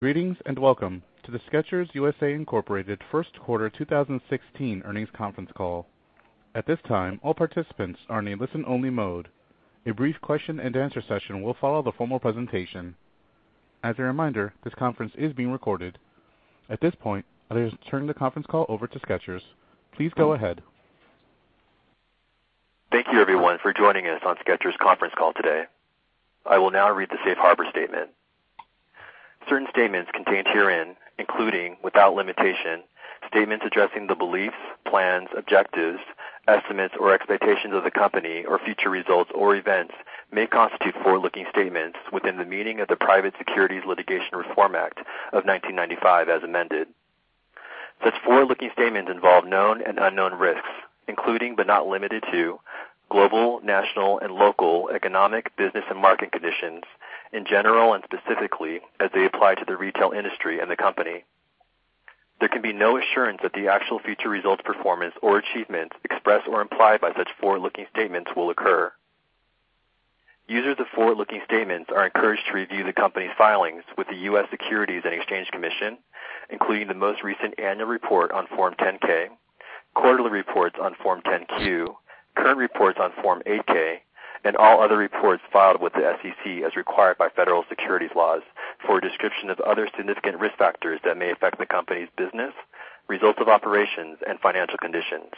Greetings, and welcome to the Skechers U.S.A. Incorporated first quarter 2016 earnings conference call. At this time, all participants are in a listen-only mode. A brief question and answer session will follow the formal presentation. As a reminder, this conference is being recorded. At this point, I'll just turn the conference call over to Skechers. Please go ahead. Thank you, everyone, for joining us on Skechers conference call today. I will now read the Safe Harbor statement. Certain statements contained herein, including, without limitation, statements addressing the beliefs, plans, objectives, estimates, or expectations of the company or future results or events may constitute forward-looking statements within the meaning of the Private Securities Litigation Reform Act of 1995 as amended. Such forward-looking statements involve known and unknown risks, including but not limited to global, national, and local economic business and market conditions in general and specifically as they apply to the retail industry and the company. There can be no assurance that the actual future results, performance, or achievements expressed or implied by such forward-looking statements will occur. Users of forward-looking statements are encouraged to review the company's filings with the U.S. Securities and Exchange Commission, including the most recent annual report on Form 10-K, quarterly reports on Form 10-Q, current reports on Form 8-K, and all other reports filed with the SEC as required by federal securities laws for a description of other significant risk factors that may affect the company's business, results of operations, and financial conditions.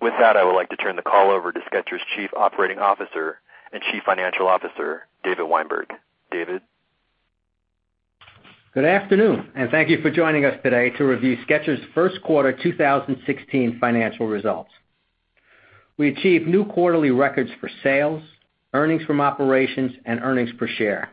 With that, I would like to turn the call over to Skechers Chief Operating Officer and Chief Financial Officer, David Weinberg. David? Good afternoon, and thank you for joining us today to review Skechers' first quarter 2016 financial results. We achieved new quarterly records for sales, earnings from operations, and earnings per share.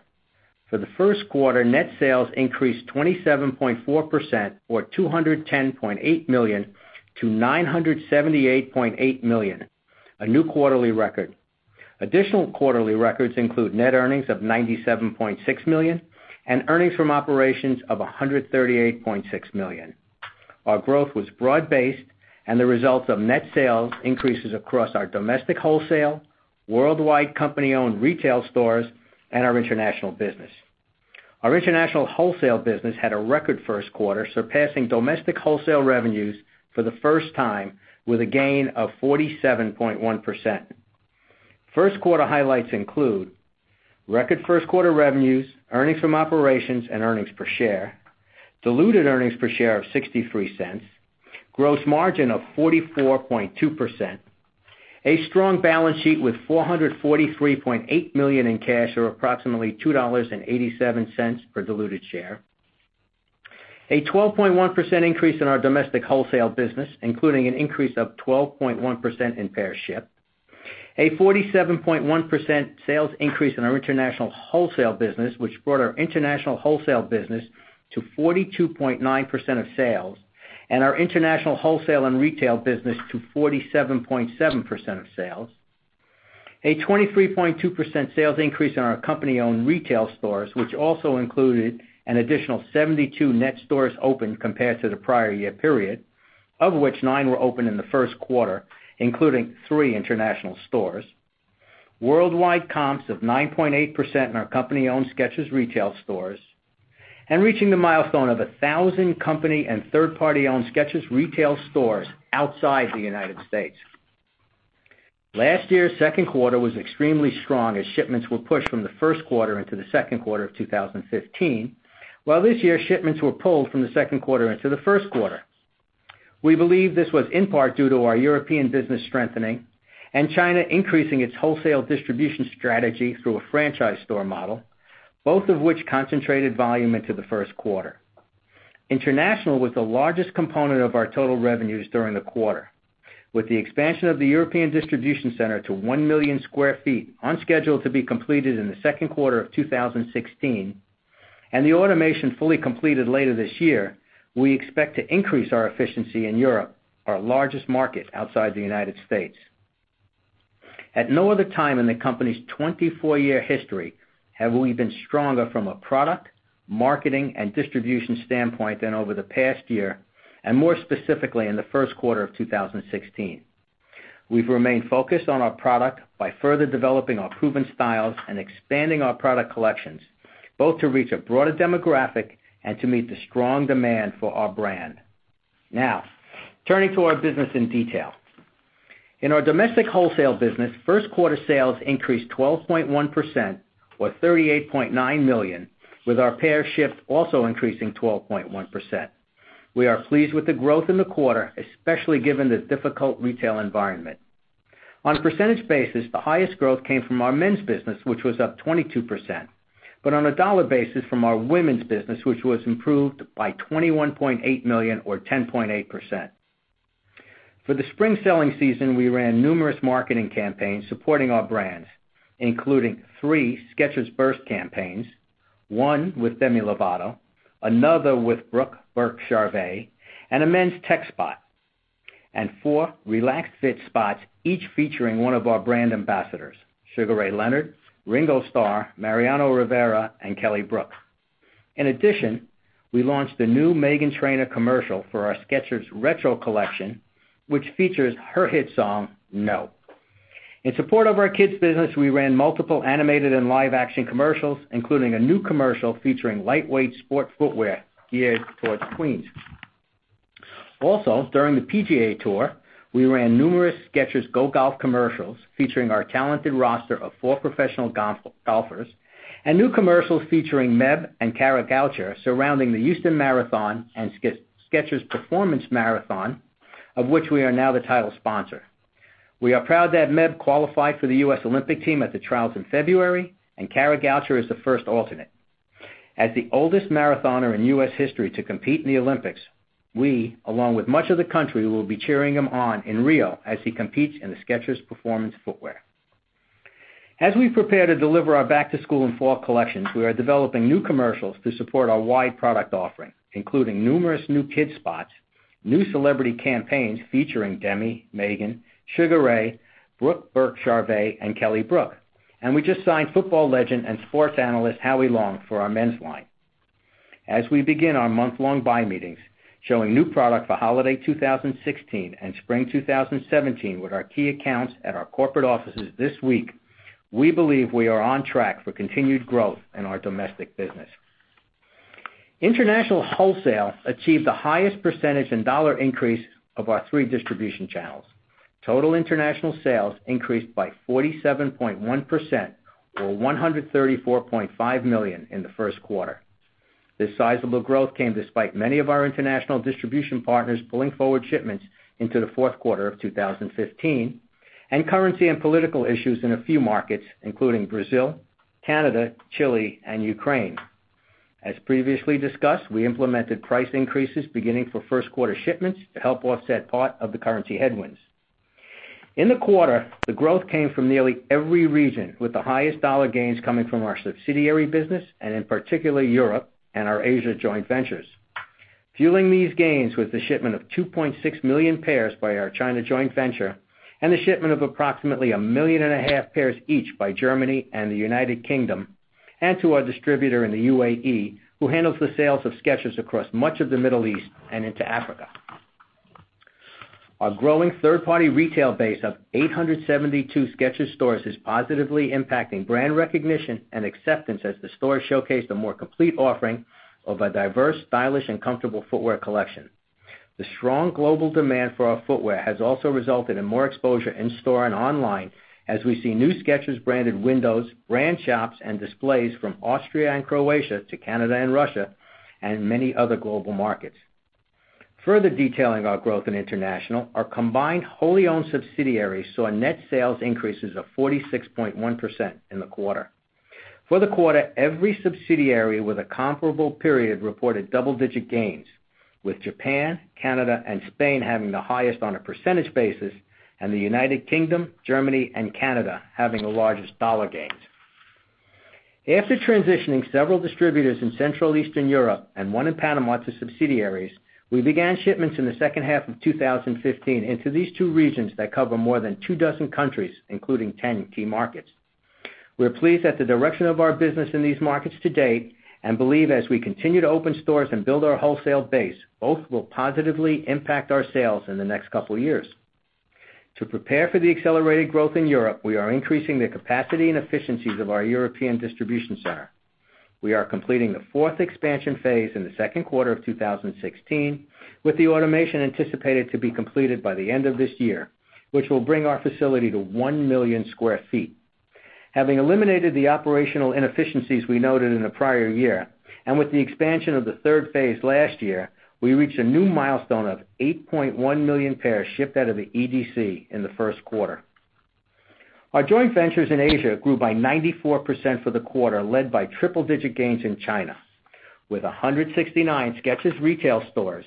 For the first quarter, net sales increased 27.4%, or $210.8 million to $978.8 million, a new quarterly record. Additional quarterly records include net earnings of $97.6 million and earnings from operations of $138.6 million. Our growth was broad-based and the result of net sales increases across our domestic wholesale, worldwide company-owned retail stores, and our international business. Our international wholesale business had a record first quarter, surpassing domestic wholesale revenues for the first time with a gain of 47.1%. First quarter highlights include record first-quarter revenues, earnings from operations, and diluted EPS of $0.63, gross margin of 44.2%, a strong balance sheet with $443.8 million in cash, or approximately $2.87 per diluted share, a 12.1% increase in our domestic wholesale business, including an increase of 12.1% in pair shipped, a 47.1% sales increase in our international wholesale business, which brought our international wholesale business to 42.9% of sales and our international wholesale and retail business to 47.7% of sales, a 23.2% sales increase in our company-owned retail stores, which also included an additional 72 net stores opened compared to the prior year period, of which nine were opened in the first quarter, including three international stores. Worldwide comps of 9.8% in our company-owned Skechers retail stores, and reaching the milestone of 1,000 company and third-party owned Skechers retail stores outside the U.S. Last year's second quarter was extremely strong as shipments were pushed from the first quarter into the second quarter of 2015. While this year's shipments were pulled from the second quarter into the first quarter. We believe this was in part due to our European business strengthening and China increasing its wholesale distribution strategy through a franchise store model, both of which concentrated volume into the first quarter. International was the largest component of our total revenues during the quarter. With the expansion of the European distribution center to 1 million square feet on schedule to be completed in the second quarter of 2016, and the automation fully completed later this year, we expect to increase our efficiency in Europe, our largest market outside the U.S. At no other time in the company's 24-year history have we been stronger from a product, marketing, and distribution standpoint than over the past year, and more specifically in the first quarter of 2016. We've remained focused on our product by further developing our proven styles and expanding our product collections, both to reach a broader demographic and to meet the strong demand for our brand. Turning to our business in detail. In our domestic wholesale business, first-quarter sales increased 12.1%, or $38.9 million, with our pairs shipped also increasing 12.1%. We are pleased with the growth in the quarter, especially given the difficult retail environment. On a percentage basis, the highest growth came from our men's business, which was up 22%, but on a dollar basis from our women's business, which was improved by $21.8 million, or 10.8%. For the spring selling season, we ran numerous marketing campaigns supporting our brands, including three Skechers Burst campaigns, one with Demi Lovato, another with Brooke Burke-Charvet, and a men's tech spot, and four Relaxed Fit spots, each featuring one of our brand ambassadors, Sugar Ray Leonard, Ringo Starr, Mariano Rivera, and Kelly Brook. In addition, we launched the new Meghan Trainor commercial for our Skechers Retro collection, which features her hit song, No. In support of our kids' business, we ran multiple animated and live-action commercials, including a new commercial featuring lightweight sport footwear geared towards tweens. Also, during the PGA Tour, we ran numerous Skechers GO GOLF commercials featuring our talented roster of four professional golfers and new commercials featuring Meb and Kara Goucher surrounding the Houston Marathon and Skechers Performance Los Angeles Marathon, of which we are now the title sponsor. We are proud to have Meb qualified for the U.S. Olympic Team at the trials in February, Kara Goucher is the first alternate. As the oldest marathoner in U.S. history to compete in the Olympics, we, along with much of the country, will be cheering him on in Rio as he competes in the Skechers Performance footwear. As we prepare to deliver our back-to-school and fall collections, we are developing new commercials to support our wide product offering, including numerous new kids spots, new celebrity campaigns featuring Demi, Meghan, Sugar Ray, Brooke Burke-Charvet, and Kelly Brook. We just signed football legend and sports analyst Howie Long for our men's line. As we begin our month-long buy meetings, showing new product for holiday 2016 and spring 2017 with our key accounts at our corporate offices this week, we believe we are on track for continued growth in our domestic business. International wholesale achieved the highest percentage in dollar increase of our three distribution channels. Total international sales increased by 47.1%, or $134.5 million, in the first quarter. This sizable growth came despite many of our international distribution partners pulling forward shipments into the fourth quarter of 2015 and currency and political issues in a few markets, including Brazil, Canada, Chile, and Ukraine. As previously discussed, we implemented price increases beginning for first-quarter shipments to help offset part of the currency headwinds. In the quarter, the growth came from nearly every region, with the highest dollar gains coming from our subsidiary business and in particular, Europe and our Asia joint ventures. Fueling these gains was the shipment of 2.6 million pairs by our China joint venture and the shipment of approximately a million and a half pairs each by Germany and the United Kingdom and to our distributor in the UAE, who handles the sales of Skechers across much of the Middle East and into Africa. Our growing third-party retail base of 872 Skechers stores is positively impacting brand recognition and acceptance as the stores showcase the more complete offering of a diverse, stylish, and comfortable footwear collection. The strong global demand for our footwear has also resulted in more exposure in store and online as we see new Skechers-branded windows, brand shops, and displays from Austria and Croatia to Canada and Russia and many other global markets. Further detailing our growth in international, our combined wholly owned subsidiaries saw net sales increases of 46.1% in the quarter. For the quarter, every subsidiary with a comparable period reported double-digit gains, with Japan, Canada, and Spain having the highest on a percentage basis, and the United Kingdom, Germany, and Canada having the largest dollar gains. After transitioning several distributors in Central Eastern Europe and one in Panama to subsidiaries, we began shipments in the second half of 2015 into these two regions that cover more than two dozen countries, including 10 key markets. We're pleased at the direction of our business in these markets to date and believe as we continue to open stores and build our wholesale base, both will positively impact our sales in the next couple of years. To prepare for the accelerated growth in Europe, we are increasing the capacity and efficiencies of our European distribution center. We are completing the fourth expansion phase in the second quarter of 2016, with the automation anticipated to be completed by the end of this year, which will bring our facility to 1 million sq ft. Having eliminated the operational inefficiencies we noted in the prior year, and with the expansion of the third phase last year, we reached a new milestone of 8.1 million pairs shipped out of the EDC in the first quarter. Our joint ventures in Asia grew by 94% for the quarter, led by triple-digit gains in China. With 169 Skechers retail stores,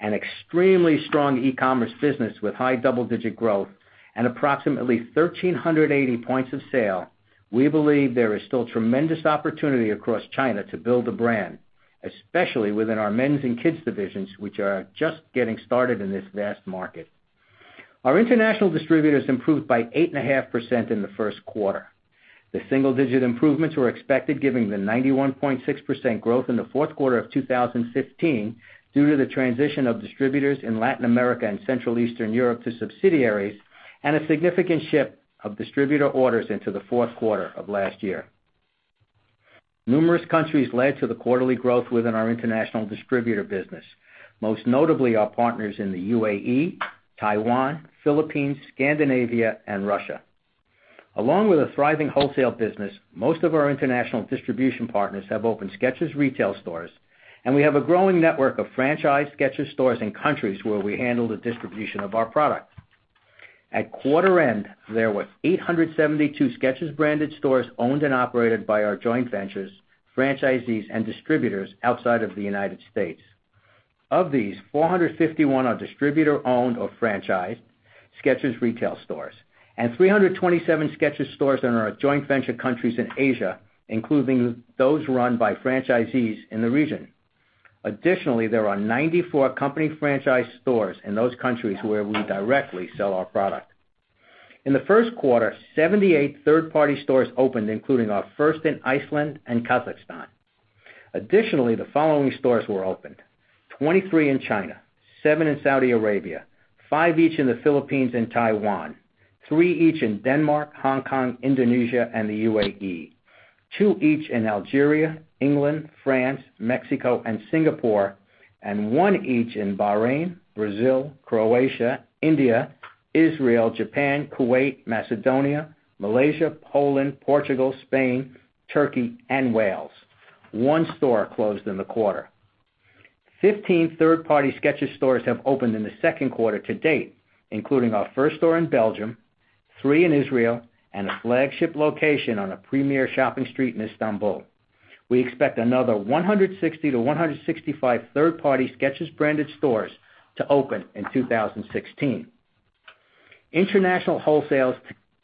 an extremely strong e-commerce business with high double-digit growth and approximately 1,380 points of sale, we believe there is still tremendous opportunity across China to build a brand, especially within our men's and kids divisions, which are just getting started in this vast market. Our international distributors improved by 8.5% in the first quarter. The single-digit improvements were expected, given the 91.6% growth in the fourth quarter of 2015 due to the transition of distributors in Latin America and Central Eastern Europe to subsidiaries and a significant ship of distributor orders into the fourth quarter of last year. Numerous countries led to the quarterly growth within our international distributor business, most notably our partners in the UAE, Taiwan, Philippines, Scandinavia, and Russia. Along with a thriving wholesale business, most of our international distribution partners have opened Skechers retail stores, and we have a growing network of franchised Skechers stores in countries where we handle the distribution of our product. At quarter end, there were 872 Skechers branded stores owned and operated by our joint ventures, franchisees, and distributors outside of the U.S. Of these, 451 are distributor-owned or franchised Skechers retail stores and 327 Skechers stores in our joint venture countries in Asia, including those run by franchisees in the region. Additionally, there are 94 company franchise stores in those countries where we directly sell our product. In the first quarter, 78 third-party stores opened, including our first in Iceland and Kazakhstan. Additionally, the following stores were opened: 23 in China, seven in Saudi Arabia, five each in the Philippines and Taiwan, three each in Denmark, Hong Kong, Indonesia, and the UAE, two each in Algeria, England, France, Mexico, and Singapore, and one each in Bahrain, Brazil, Croatia, India, Israel, Japan, Kuwait, Macedonia, Malaysia, Poland, Portugal, Spain, Turkey, and Wales. One store closed in the quarter. 15 third-party Skechers stores have opened in the second quarter to date, including our first store in Belgium, three in Israel, and a flagship location on a premier shopping street in Istanbul. We expect another 160-165 third-party Skechers-branded stores to open in 2016. International wholesale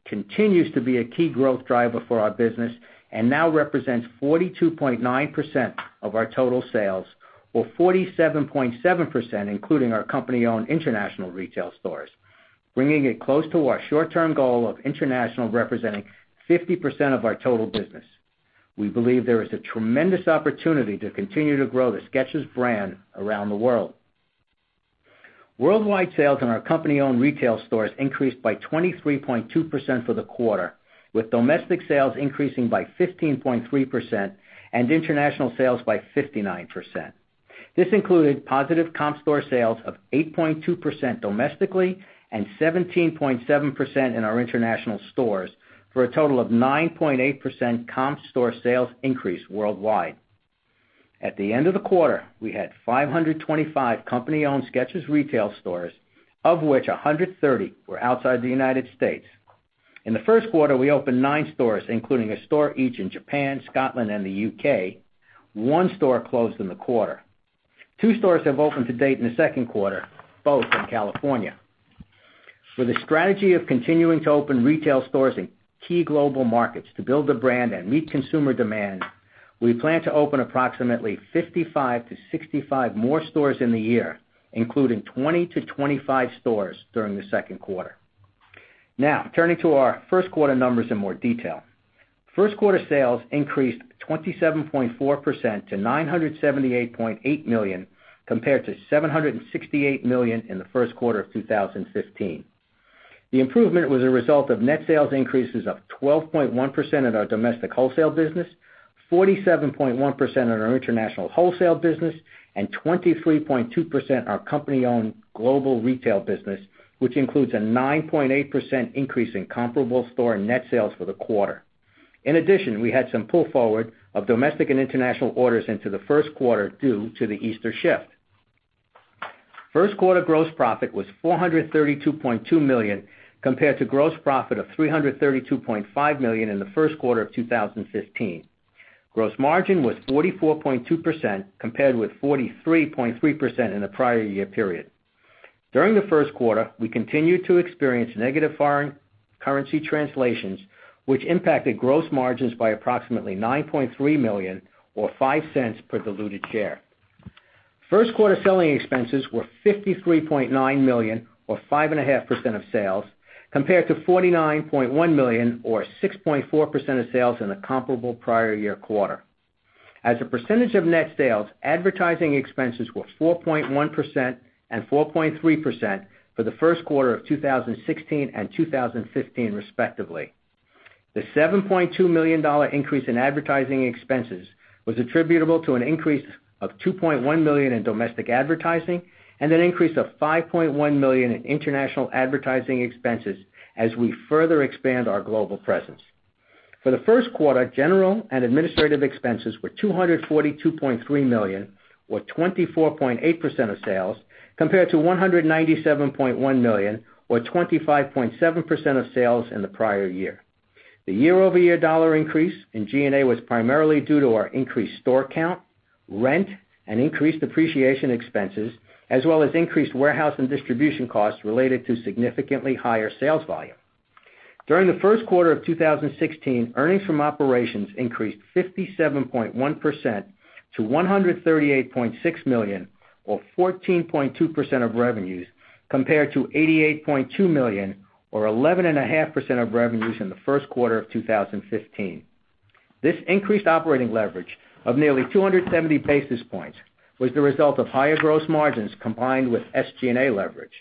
continues to be a key growth driver for our business and now represents 42.9% of our total sales, or 47.7%, including our company-owned international retail stores, bringing it close to our short-term goal of international representing 50% of our total business. We believe there is a tremendous opportunity to continue to grow the Skechers brand around the world. Worldwide sales in our company-owned retail stores increased by 23.2% for the quarter, with domestic sales increasing by 15.3% and international sales by 59%. This included positive comp store sales of 8.2% domestically and 17.7% in our international stores for a total of 9.8% comp store sales increase worldwide. At the end of the quarter, we had 525 company-owned Skechers retail stores, of which 130 were outside the U.S. In the first quarter, we opened nine stores, including a store each in Japan, Scotland, and the U.K. One store closed in the quarter. Two stores have opened to date in the second quarter, both in California. With a strategy of continuing to open retail stores in key global markets to build the brand and meet consumer demand, we plan to open approximately 55-65 more stores in the year, including 20-25 stores during the second quarter. Now turning to our first quarter numbers in more detail. First quarter sales increased 27.4% to $978.8 million compared to $768 million in the first quarter of 2015. The improvement was a result of net sales increases of 12.1% in our domestic wholesale business, 47.1% in our international wholesale business, and 23.2% in our company-owned global retail business, which includes a 9.8% increase in comparable store net sales for the quarter. In addition, we had some pull forward of domestic and international orders into the first quarter due to the Easter shift. First quarter gross profit was $432.2 million, compared to gross profit of $332.5 million in the first quarter of 2015. Gross margin was 44.2%, compared with 43.3% in the prior year period. During the first quarter, we continued to experience negative foreign currency translations, which impacted gross margins by approximately $9.3 million or $0.05 per diluted share. First quarter selling expenses were $53.9 million or 5.5% of sales, compared to $49.1 million or 6.4% of sales in the comparable prior year quarter. As a percentage of net sales, advertising expenses were 4.1% and 4.3% for the first quarter of 2016 and 2015, respectively. The $7.2 million increase in advertising expenses was attributable to an increase of $2.1 million in domestic advertising and an increase of $5.1 million in international advertising expenses as we further expand our global presence. For the first quarter, General and administrative expenses were $242.3 million or 24.8% of sales, compared to $197.1 million or 25.7% of sales in the prior year. The year-over-year dollar increase in G&A was primarily due to our increased store count, rent, and increased depreciation expenses, as well as increased warehouse and distribution costs related to significantly higher sales volume. During the first quarter of 2016, earnings from operations increased 57.1% to $138.6 million or 14.2% of revenues, compared to $88.2 million or 11.5% of revenues in the first quarter of 2015. This increased operating leverage of nearly 270 basis points was the result of higher gross margins combined with SG&A leverage.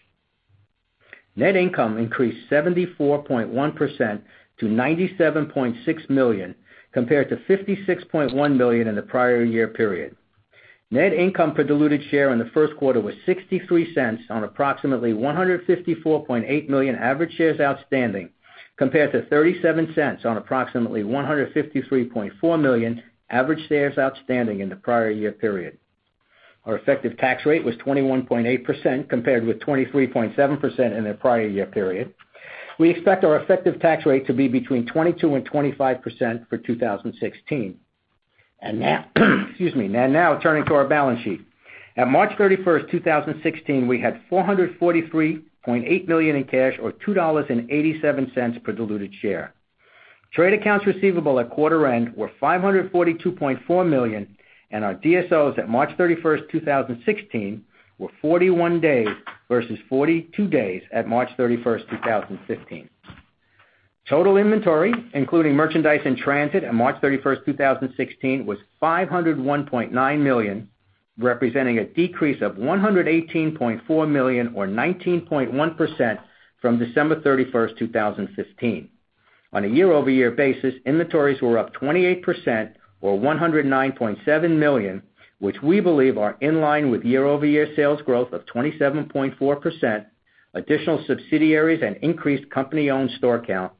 Net income increased 74.1% to $97.6 million, compared to $56.1 million in the prior year period. Net income per diluted share in the first quarter was $0.63 on approximately $154.8 million average shares outstanding, compared to $0.37 on approximately $153.4 million average shares outstanding in the prior year period. Our effective tax rate was 21.8%, compared with 23.7% in the prior year period. We expect our effective tax rate to be between 22%-25% for 2016. Excuse me. Now turning to our balance sheet. At March 31st, 2016, we had $443.8 million in cash or $2.87 per diluted share. Trade accounts receivable at quarter end were $542.4 million, and our DSOs at March 31st, 2016, were 41 days versus 42 days at March 31st, 2015. Total inventory, including merchandise in transit at March 31st, 2016, was $501.9 million, representing a decrease of $118.4 million or 19.1% from December 31st, 2015. On a year-over-year basis, inventories were up 28% or $109.7 million, which we believe are in line with year-over-year sales growth of 27.4%, additional subsidiaries and increased company-owned store count.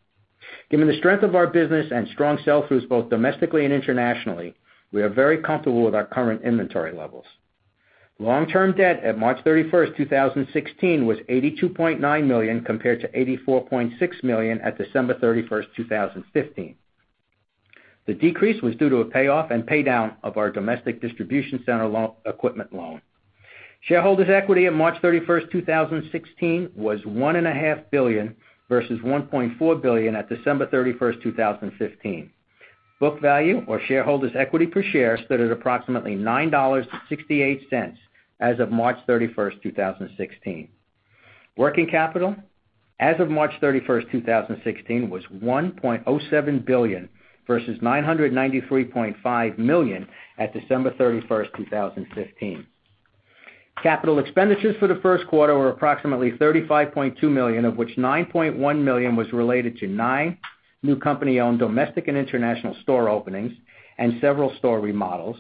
Given the strength of our business and strong sell-throughs both domestically and internationally, we are very comfortable with our current inventory levels. Long-term debt at March 31st, 2016, was $82.9 million compared to $84.6 million at December 31st, 2015. The decrease was due to a payoff and pay down of our domestic distribution center equipment loan. Shareholders' equity at March 31st, 2016, was $1.5 billion versus $1.4 billion at December 31st, 2015. Book value or shareholders' equity per share stood at approximately $9.68 as of March 31st, 2016. Working capital as of March 31st, 2016, was $1.07 billion versus $993.5 million at December 31st, 2015. Capital expenditures for the first quarter were approximately $35.2 million, of which $9.1 million was related to nine new company-owned domestic and international store openings and several store remodels,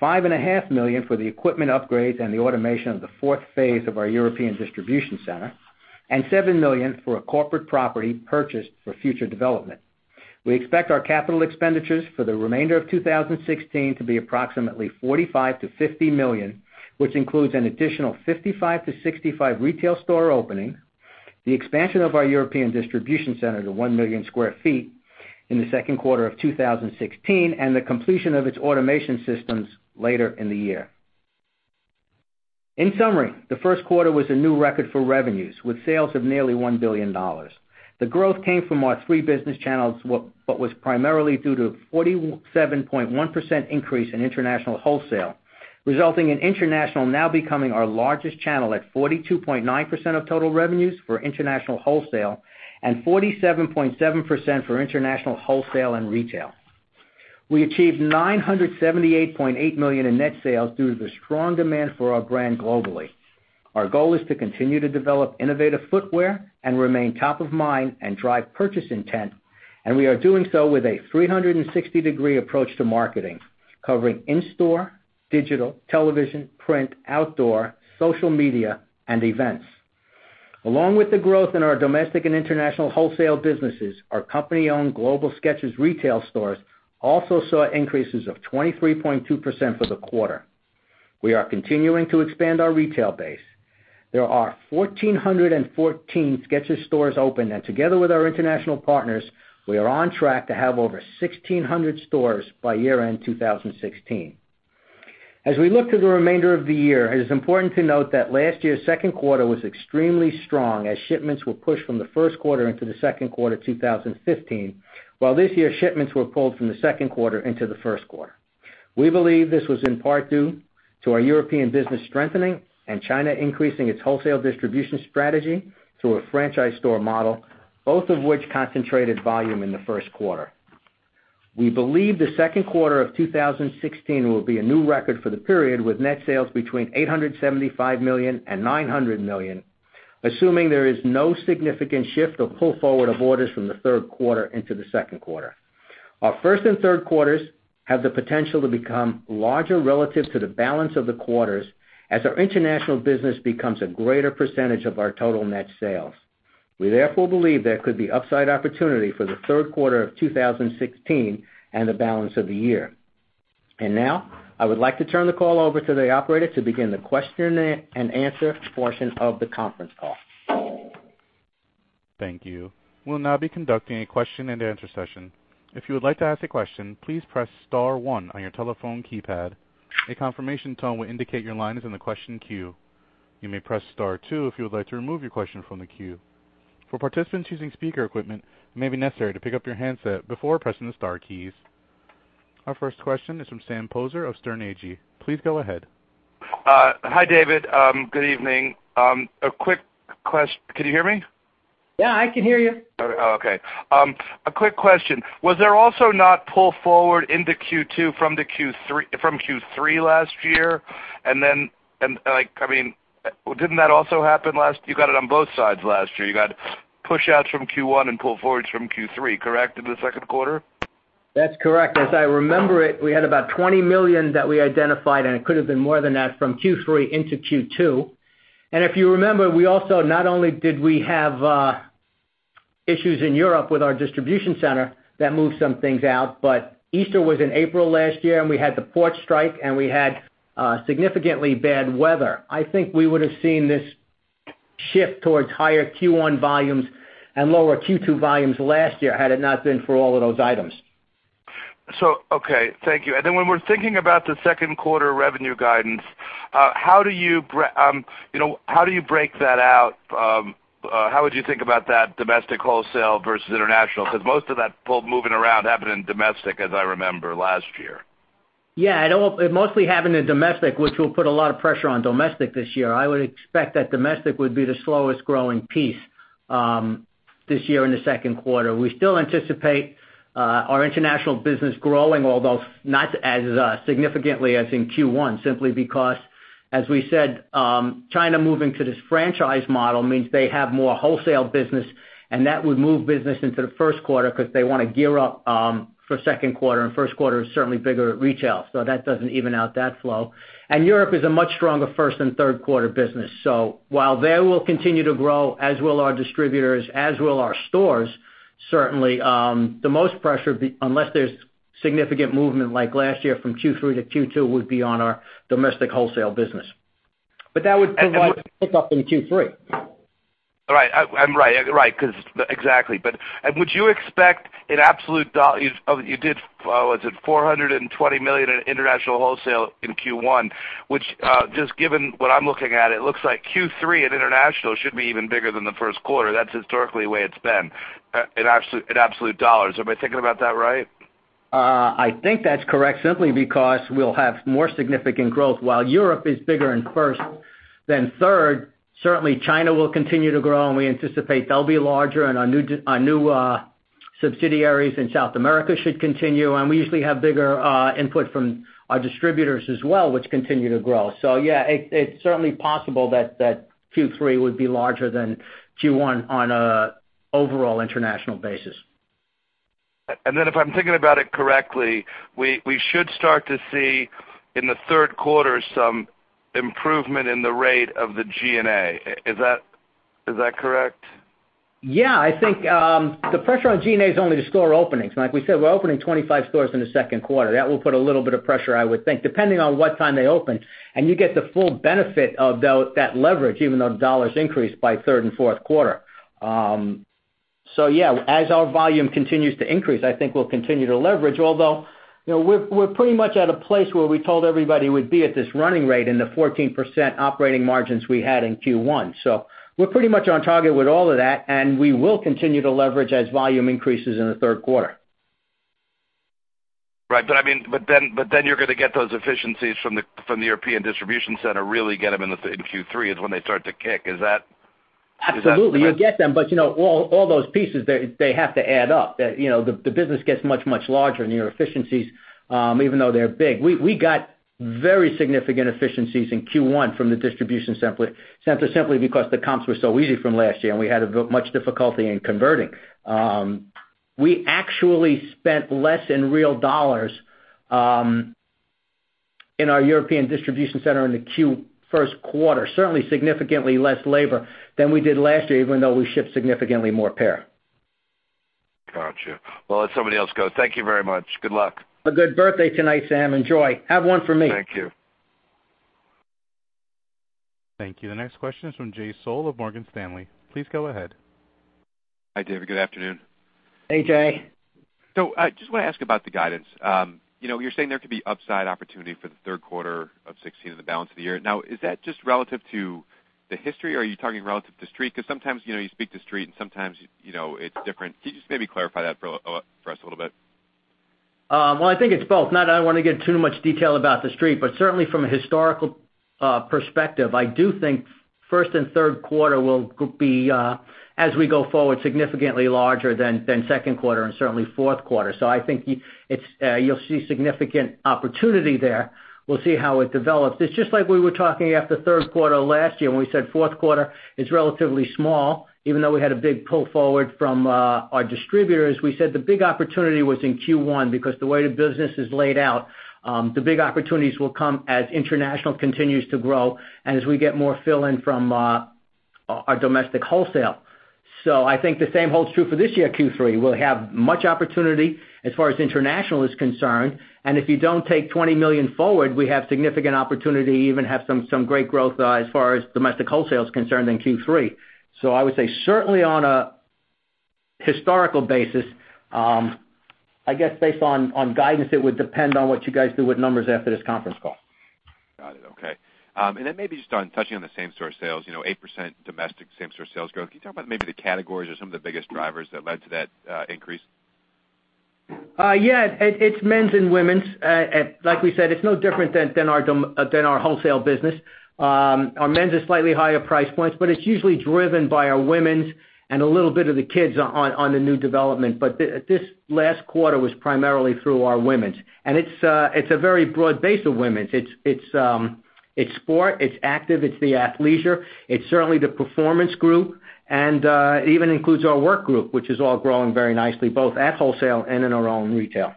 $5.5 million for the equipment upgrades and the automation of the fourth phase of our European distribution center, and $7 million for a corporate property purchased for future development. We expect our capital expenditures for the remainder of 2016 to be approximately $45 million-$50 million, which includes an additional 55-65 retail store opening, the expansion of our European distribution center to 1 million sq ft in the second quarter of 2016, and the completion of its automation systems later in the year. In summary, the first quarter was a new record for revenues with sales of nearly $1 billion. The growth came from our three business channels but was primarily due to 47.1% increase in international wholesale, resulting in international now becoming our largest channel at 42.9% of total revenues for international wholesale and 47.7% for international wholesale and retail. We achieved $978.8 million in net sales due to the strong demand for our brand globally. Our goal is to continue to develop innovative footwear and remain top of mind and drive purchase intent, and we are doing so with a 360-degree approach to marketing, covering in-store, digital, television, print, outdoor, social media, and events. Along with the growth in our domestic and international wholesale businesses, our company-owned global Skechers retail stores also saw increases of 23.2% for the quarter. We are continuing to expand our retail base. There are 1,414 Skechers stores open, and together with our international partners, we are on track to have over 1,600 stores by year-end 2016. As we look to the remainder of the year, it is important to note that last year's second quarter was extremely strong as shipments were pushed from the first quarter into the second quarter 2015, while this year's shipments were pulled from the second quarter into the first quarter. We believe this was in part due to our European business strengthening and China increasing its wholesale distribution strategy through a franchise store model, both of which concentrated volume in the first quarter. We believe the second quarter of 2016 will be a new record for the period, with net sales between $875 million and $900 million, assuming there is no significant shift or pull forward of orders from the third quarter into the second quarter. Our first and third quarters have the potential to become larger relative to the balance of the quarters as our international business becomes a greater percentage of our total net sales. We believe there could be upside opportunity for the third quarter of 2016 and the balance of the year. Now, I would like to turn the call over to the operator to begin the question and answer portion of the conference call. Thank you. We'll now be conducting a question-and-answer session. If you would like to ask a question, please press star one on your telephone keypad. A confirmation tone will indicate your line is in the question queue. You may press star two if you would like to remove your question from the queue. For participants using speaker equipment, it may be necessary to pick up your handset before pressing the star keys. Our first question is from Sam Poser of Sterne Agee. Please go ahead. Yeah, I can hear you. Okay. A quick question. Was there also not pull forward into Q2 from Q3 last year? Didn't that also happen? You got it on both sides last year. You got push outs from Q1 and pull forwards from Q3, correct, in the second quarter? That's correct. As I remember it, we had about $20 million that we identified, and it could have been more than that, from Q3 into Q2. If you remember, not only did we have issues in Europe with our distribution center that moved some things out, Easter was in April last year, we had the port strike, and we had significantly bad weather. I think we would have seen this shift towards higher Q1 volumes and lower Q2 volumes last year had it not been for all of those items. Okay. Thank you. When we're thinking about the second quarter revenue guidance, how would you think about that domestic wholesale versus international? Most of that pull moving around happened in domestic, as I remember last year. Yeah. It mostly happened in domestic, which will put a lot of pressure on domestic this year. I would expect that domestic would be the slowest growing piece this year in the second quarter. We still anticipate our international business growing, although not as significantly as in Q1, simply because, as we said, China moving to this franchise model means they have more wholesale business, that would move business into the first quarter because they want to gear up for second quarter, and first quarter is certainly bigger at retail. That doesn't even out that flow. Europe is a much stronger first and third quarter business. While they will continue to grow, as will our distributors, as will our stores, certainly, the most pressure, unless there's significant movement like last year from Q3 to Q2, would be on our domestic wholesale business. That would provide a pick-up in Q3. Right. Exactly. You did, was it $420 million in international wholesale in Q1, which, just given what I'm looking at, it looks like Q3 at international should be even bigger than the first quarter. That's historically the way it's been in absolute dollars. Am I thinking about that right? I think that's correct, simply because we'll have more significant growth. While Europe is bigger in first than third, certainly China will continue to grow, and we anticipate they'll be larger, and our new subsidiaries in South America should continue. We usually have bigger input from our distributors as well, which continue to grow. Yeah, it's certainly possible that Q3 would be larger than Q1 on a overall international basis. If I'm thinking about it correctly, we should start to see, in the third quarter, some improvement in the rate of the G&A. Is that correct? Yeah, I think the pressure on G&A is only the store openings. Like we said, we're opening 25 stores in the second quarter. That will put a little bit of pressure, I would think, depending on what time they open. You get the full benefit of that leverage, even though dollars increase by third and fourth quarter. Yeah, as our volume continues to increase, I think we'll continue to leverage. Although, we're pretty much at a place where we told everybody we'd be at this running rate in the 14% operating margins we had in Q1. We're pretty much on target with all of that, and we will continue to leverage as volume increases in the third quarter. Right. You're going to get those efficiencies from the European distribution center, really get them in Q3 is when they start to kick. Is that correct? Absolutely. You'll get them, all those pieces, they have to add up. The business gets much, much larger, your efficiencies, even though they're big. We got very significant efficiencies in Q1 from the distribution center simply because the comps were so easy from last year, and we had much difficulty in converting. We actually spent less in real dollars in our European distribution center in the first quarter, certainly significantly less labor than we did last year, even though we shipped significantly more pair. Got you. Well, I'll let somebody else go. Thank you very much. Good luck. Have a good birthday tonight, Sam. Enjoy. Have one for me. Thank you. Thank you. The next question is from Jay Sole of Morgan Stanley. Please go ahead. Hi, David. Good afternoon. Hey, Jay. I just want to ask about the guidance. You're saying there could be upside opportunity for the third quarter of 2016 and the balance of the year. Is that just relative to the history, or are you talking relative to Street? Sometimes, you speak to Street and sometimes it's different. Can you just maybe clarify that for us a little bit? Well, I think it's both. Not that I want to give too much detail about the Street, but certainly from a historical perspective, I do think first and third quarter will be, as we go forward, significantly larger than second quarter and certainly fourth quarter. I think you'll see significant opportunity there. We'll see how it develops. It's just like we were talking after third quarter last year when we said fourth quarter is relatively small, even though we had a big pull forward from our distributors. We said the big opportunity was in Q1 because the way the business is laid out, the big opportunities will come as international continues to grow and as we get more fill-in from our domestic wholesale. I think the same holds true for this year, Q3. We'll have much opportunity as far as international is concerned, and if you don't take $20 million forward, we have significant opportunity, even have some great growth as far as domestic wholesale is concerned in Q3. I would say certainly on a historical basis, I guess based on guidance, it would depend on what you guys do with numbers after this conference call. Got it. Okay. Maybe just on touching on the same-store sales, 8% domestic same-store sales growth. Can you talk about maybe the categories or some of the biggest drivers that led to that increase? Yeah. It's men's and women's. Like we said, it's no different than our wholesale business. Our men's are slightly higher price points, but it's usually driven by our women's and a little bit of the kids' on the new development. This last quarter was primarily through our women's. It's a very broad base of women's. It's sport, it's active, it's the athleisure. It's certainly the performance group, and it even includes our work group, which is all growing very nicely, both at wholesale and in our own retail.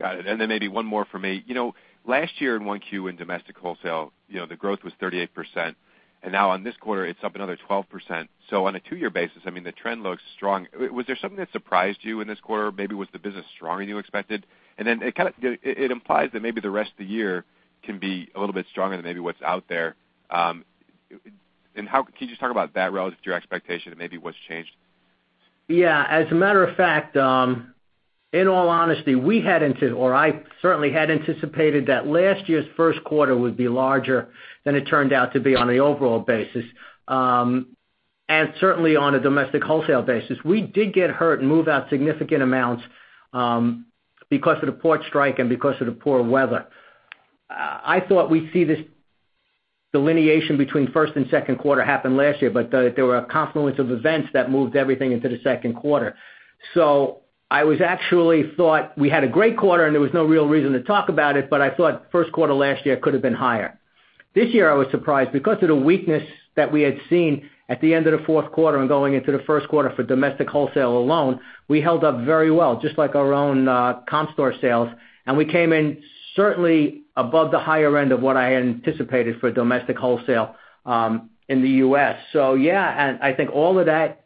Got it. Maybe one more from me. Last year in 1Q in domestic wholesale, the growth was 38%, and now on this quarter, it's up another 12%. On a two-year basis, I mean, the trend looks strong. Was there something that surprised you in this quarter? Maybe was the business stronger than you expected? It implies that maybe the rest of the year can be a little bit stronger than maybe what's out there. Can you just talk about that relative to your expectation and maybe what's changed? Yeah. As a matter of fact, in all honesty, we had, or I certainly had anticipated that last year's first quarter would be larger than it turned out to be on a overall basis. Certainly on a domestic wholesale basis. We did get hurt and move out significant amounts because of the port strike and because of the poor weather. I thought we'd see this delineation between first and second quarter happen last year, there were a confluence of events that moved everything into the second quarter. I actually thought we had a great quarter, there was no real reason to talk about it, I thought first quarter last year could've been higher. This year, I was surprised because of the weakness that we had seen at the end of the fourth quarter and going into the first quarter for domestic wholesale alone, we held up very well, just like our own comp store sales, and we came in certainly above the higher end of what I had anticipated for domestic wholesale in the U.S. Yeah, I think all of that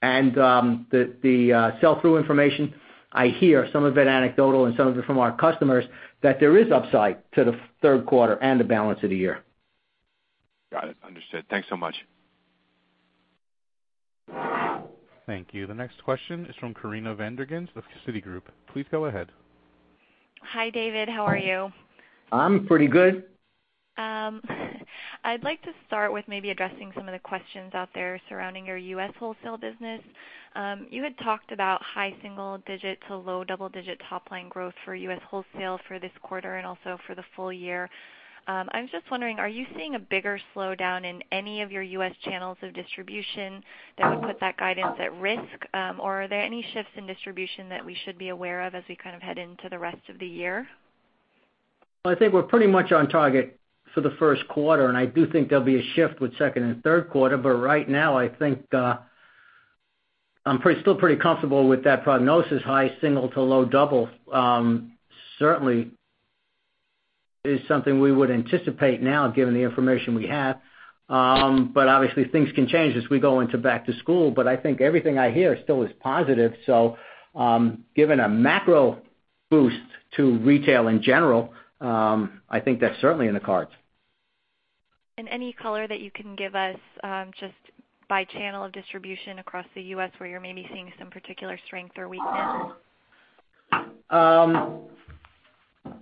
and the sell-through information, I hear some of it anecdotal and some of it from our customers, that there is upside to the third quarter and the balance of the year. Got it. Understood. Thanks so much. Thank you. The next question is from Kate McShane of Citigroup. Please go ahead. Hi, David. How are you? I'm pretty good. I'd like to start with maybe addressing some of the questions out there surrounding your U.S. wholesale business. You had talked about high single digit to low double digit top-line growth for U.S. wholesale for this quarter and also for the full year. I was just wondering, are you seeing a bigger slowdown in any of your U.S. channels of distribution that would put that guidance at risk? Are there any shifts in distribution that we should be aware of as we kind of head into the rest of the year? I think we're pretty much on target for the first quarter. I do think there'll be a shift with second and third quarter. Right now, I think I'm still pretty comfortable with that prognosis, high single to low double certainly is something we would anticipate now, given the information we have. Obviously, things can change as we go into back to school. I think everything I hear still is positive. Given a macro boost to retail in general, I think that's certainly in the cards. Any color that you can give us, just by channel of distribution across the U.S., where you're maybe seeing some particular strength or weaknesses?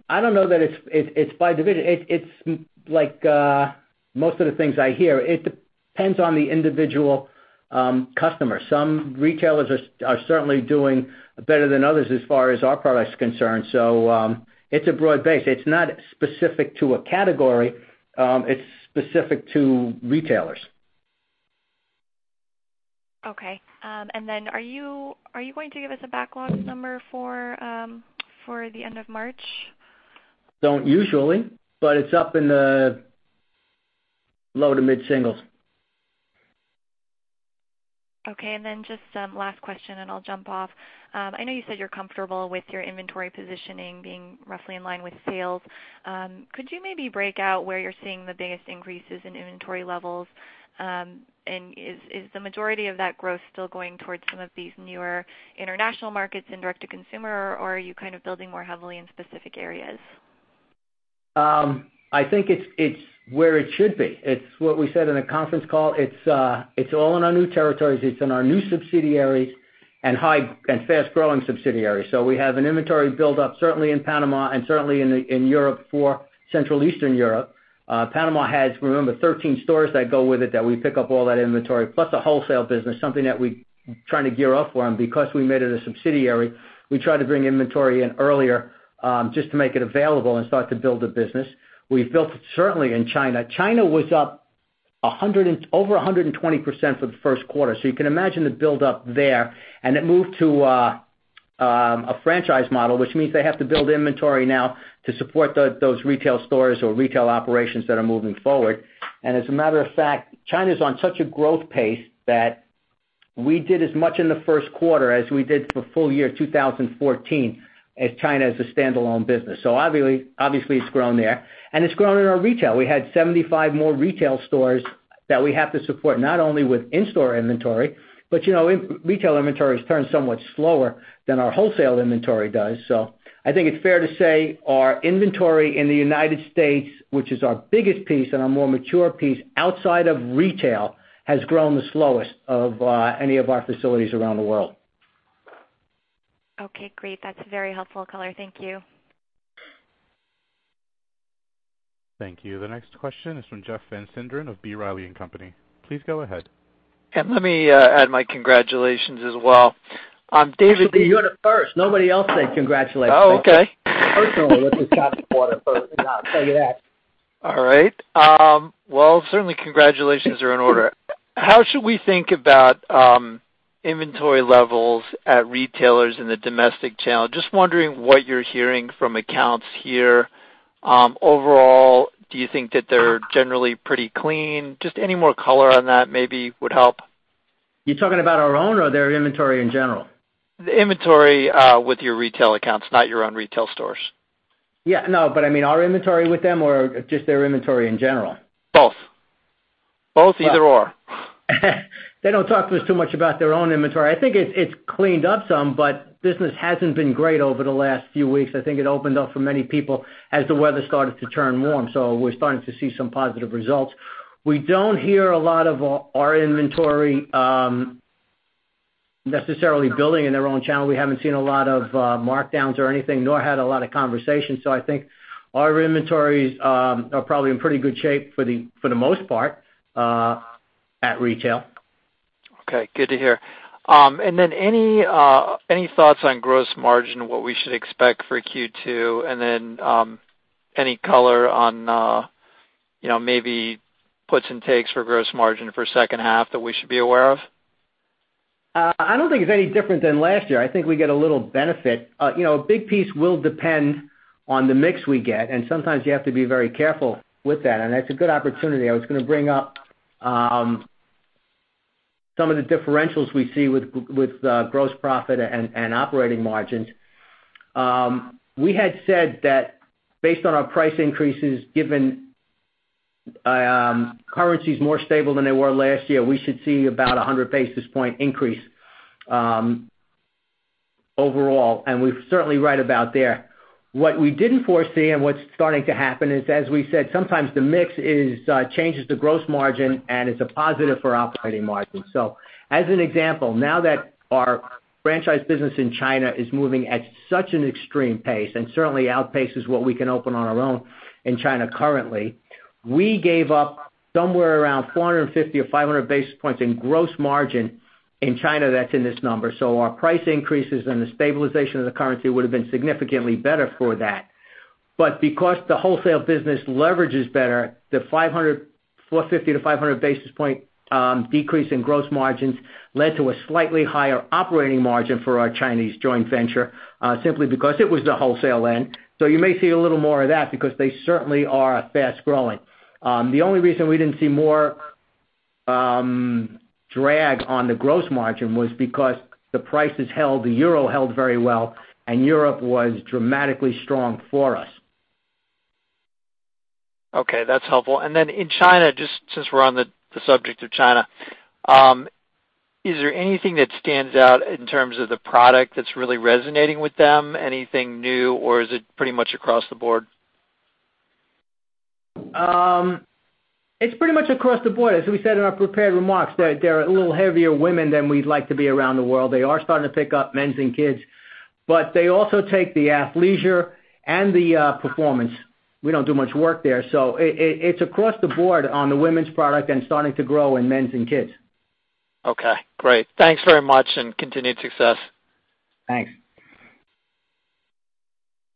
I don't know that it's by division. It's like most of the things I hear. It depends on the individual customer. Some retailers are certainly doing better than others as far as our product's concerned, it's a broad base. It's not specific to a category. It's specific to retailers. Okay. Are you going to give us a backlog number for the end of March? Don't usually, it's up in the low to mid-singles. Okay, just last question, I'll jump off. I know you said you're comfortable with your inventory positioning being roughly in line with sales. Could you maybe break out where you're seeing the biggest increases in inventory levels? Is the majority of that growth still going towards some of these newer international markets and direct-to-consumer, or are you kind of building more heavily in specific areas? I think it's where it should be. It's what we said in the conference call. It's all in our new territories. It's in our new subsidiaries and fast-growing subsidiaries. We have an inventory build-up certainly in Panama and certainly in Europe for Central Eastern Europe. Panama has, remember, 13 stores that go with it that we pick up all that inventory, plus a wholesale business, something that we trying to gear up for, and because we made it a subsidiary, we try to bring inventory in earlier, just to make it available and start to build a business. We've built certainly in China. China was up over 120% for the first quarter. You can imagine the build-up there. It moved to a franchise model, which means they have to build inventory now to support those retail stores or retail operations that are moving forward. As a matter of fact, China's on such a growth pace that we did as much in the first quarter as we did for full year 2014 as China as a standalone business. Obviously, it's grown there. It's grown in our retail. We had 75 more retail stores that we have to support, not only with in-store inventory, but retail inventory has turned somewhat slower than our wholesale inventory does. I think it's fair to say our inventory in the U.S., which is our biggest piece and our more mature piece outside of retail, has grown the slowest of any of our facilities around the world. Okay, great. That's a very helpful color. Thank you. Thank you. The next question is from Jeff Van Sinderen of B. Riley & Co.. Please go ahead. Let me add my congratulations as well. David- You're the first. Nobody else said congratulations. Oh, okay. Personally, with this quarter, I'll tell you that. All right. Well, certainly congratulations are in order. How should we think about inventory levels at retailers in the domestic channel? Just wondering what you're hearing from accounts here. Overall, do you think that they're generally pretty clean? Just any more color on that maybe would help. You talking about our own or their inventory in general? The inventory with your retail accounts, not your own retail stores. Yeah. No, I mean, our inventory with them or just their inventory in general? Both. Both, either or. They don't talk to us too much about their own inventory. I think it's cleaned up some, but business hasn't been great over the last few weeks. I think it opened up for many people as the weather started to turn warm, so we're starting to see some positive results. We don't hear a lot of our inventory necessarily building in their own channel. We haven't seen a lot of markdowns or anything, nor had a lot of conversations. I think our inventories are probably in pretty good shape for the most part at retail. Okay, good to hear. Any thoughts on gross margin, what we should expect for Q2? Then, any color on maybe puts and takes for gross margin for second half that we should be aware of? I don't think it's any different than last year. I think we get a little benefit. A big piece will depend on the mix we get, and sometimes you have to be very careful with that. That's a good opportunity. I was going to bring up some of the differentials we see with gross profit and operating margins. We had said that based on our price increases, given currencies more stable than they were last year, we should see about 100 basis point increase overall. We're certainly right about there. What we didn't foresee and what's starting to happen is, as we said, sometimes the mix changes the gross margin, and it's a positive for operating margin. As an example, now that our franchise business in China is moving at such an extreme pace and certainly outpaces what we can open on our own in China currently, we gave up somewhere around 450 or 500 basis points in gross margin in China that's in this number. Our price increases and the stabilization of the currency would've been significantly better for that. Because the wholesale business leverages better, the 450 to 500 basis point decrease in gross margins led to a slightly higher operating margin for our Chinese joint venture, simply because it was the wholesale end. You may see a little more of that because they certainly are fast-growing. The only reason we didn't see more drag on the gross margin was because the prices held, the euro held very well, and Europe was dramatically strong for us. Okay, that's helpful. In China, just since we're on the subject of China, is there anything that stands out in terms of the product that's really resonating with them? Anything new, or is it pretty much across the board? It's pretty much across the board. As we said in our prepared remarks, they're a little heavier women than we'd like to be around the world. They are starting to pick up men's and kids', but they also take the athleisure and the performance. We don't do much work there. It's across the board on the women's product and starting to grow in men's and kids'. Okay, great. Thanks very much and continued success. Thanks.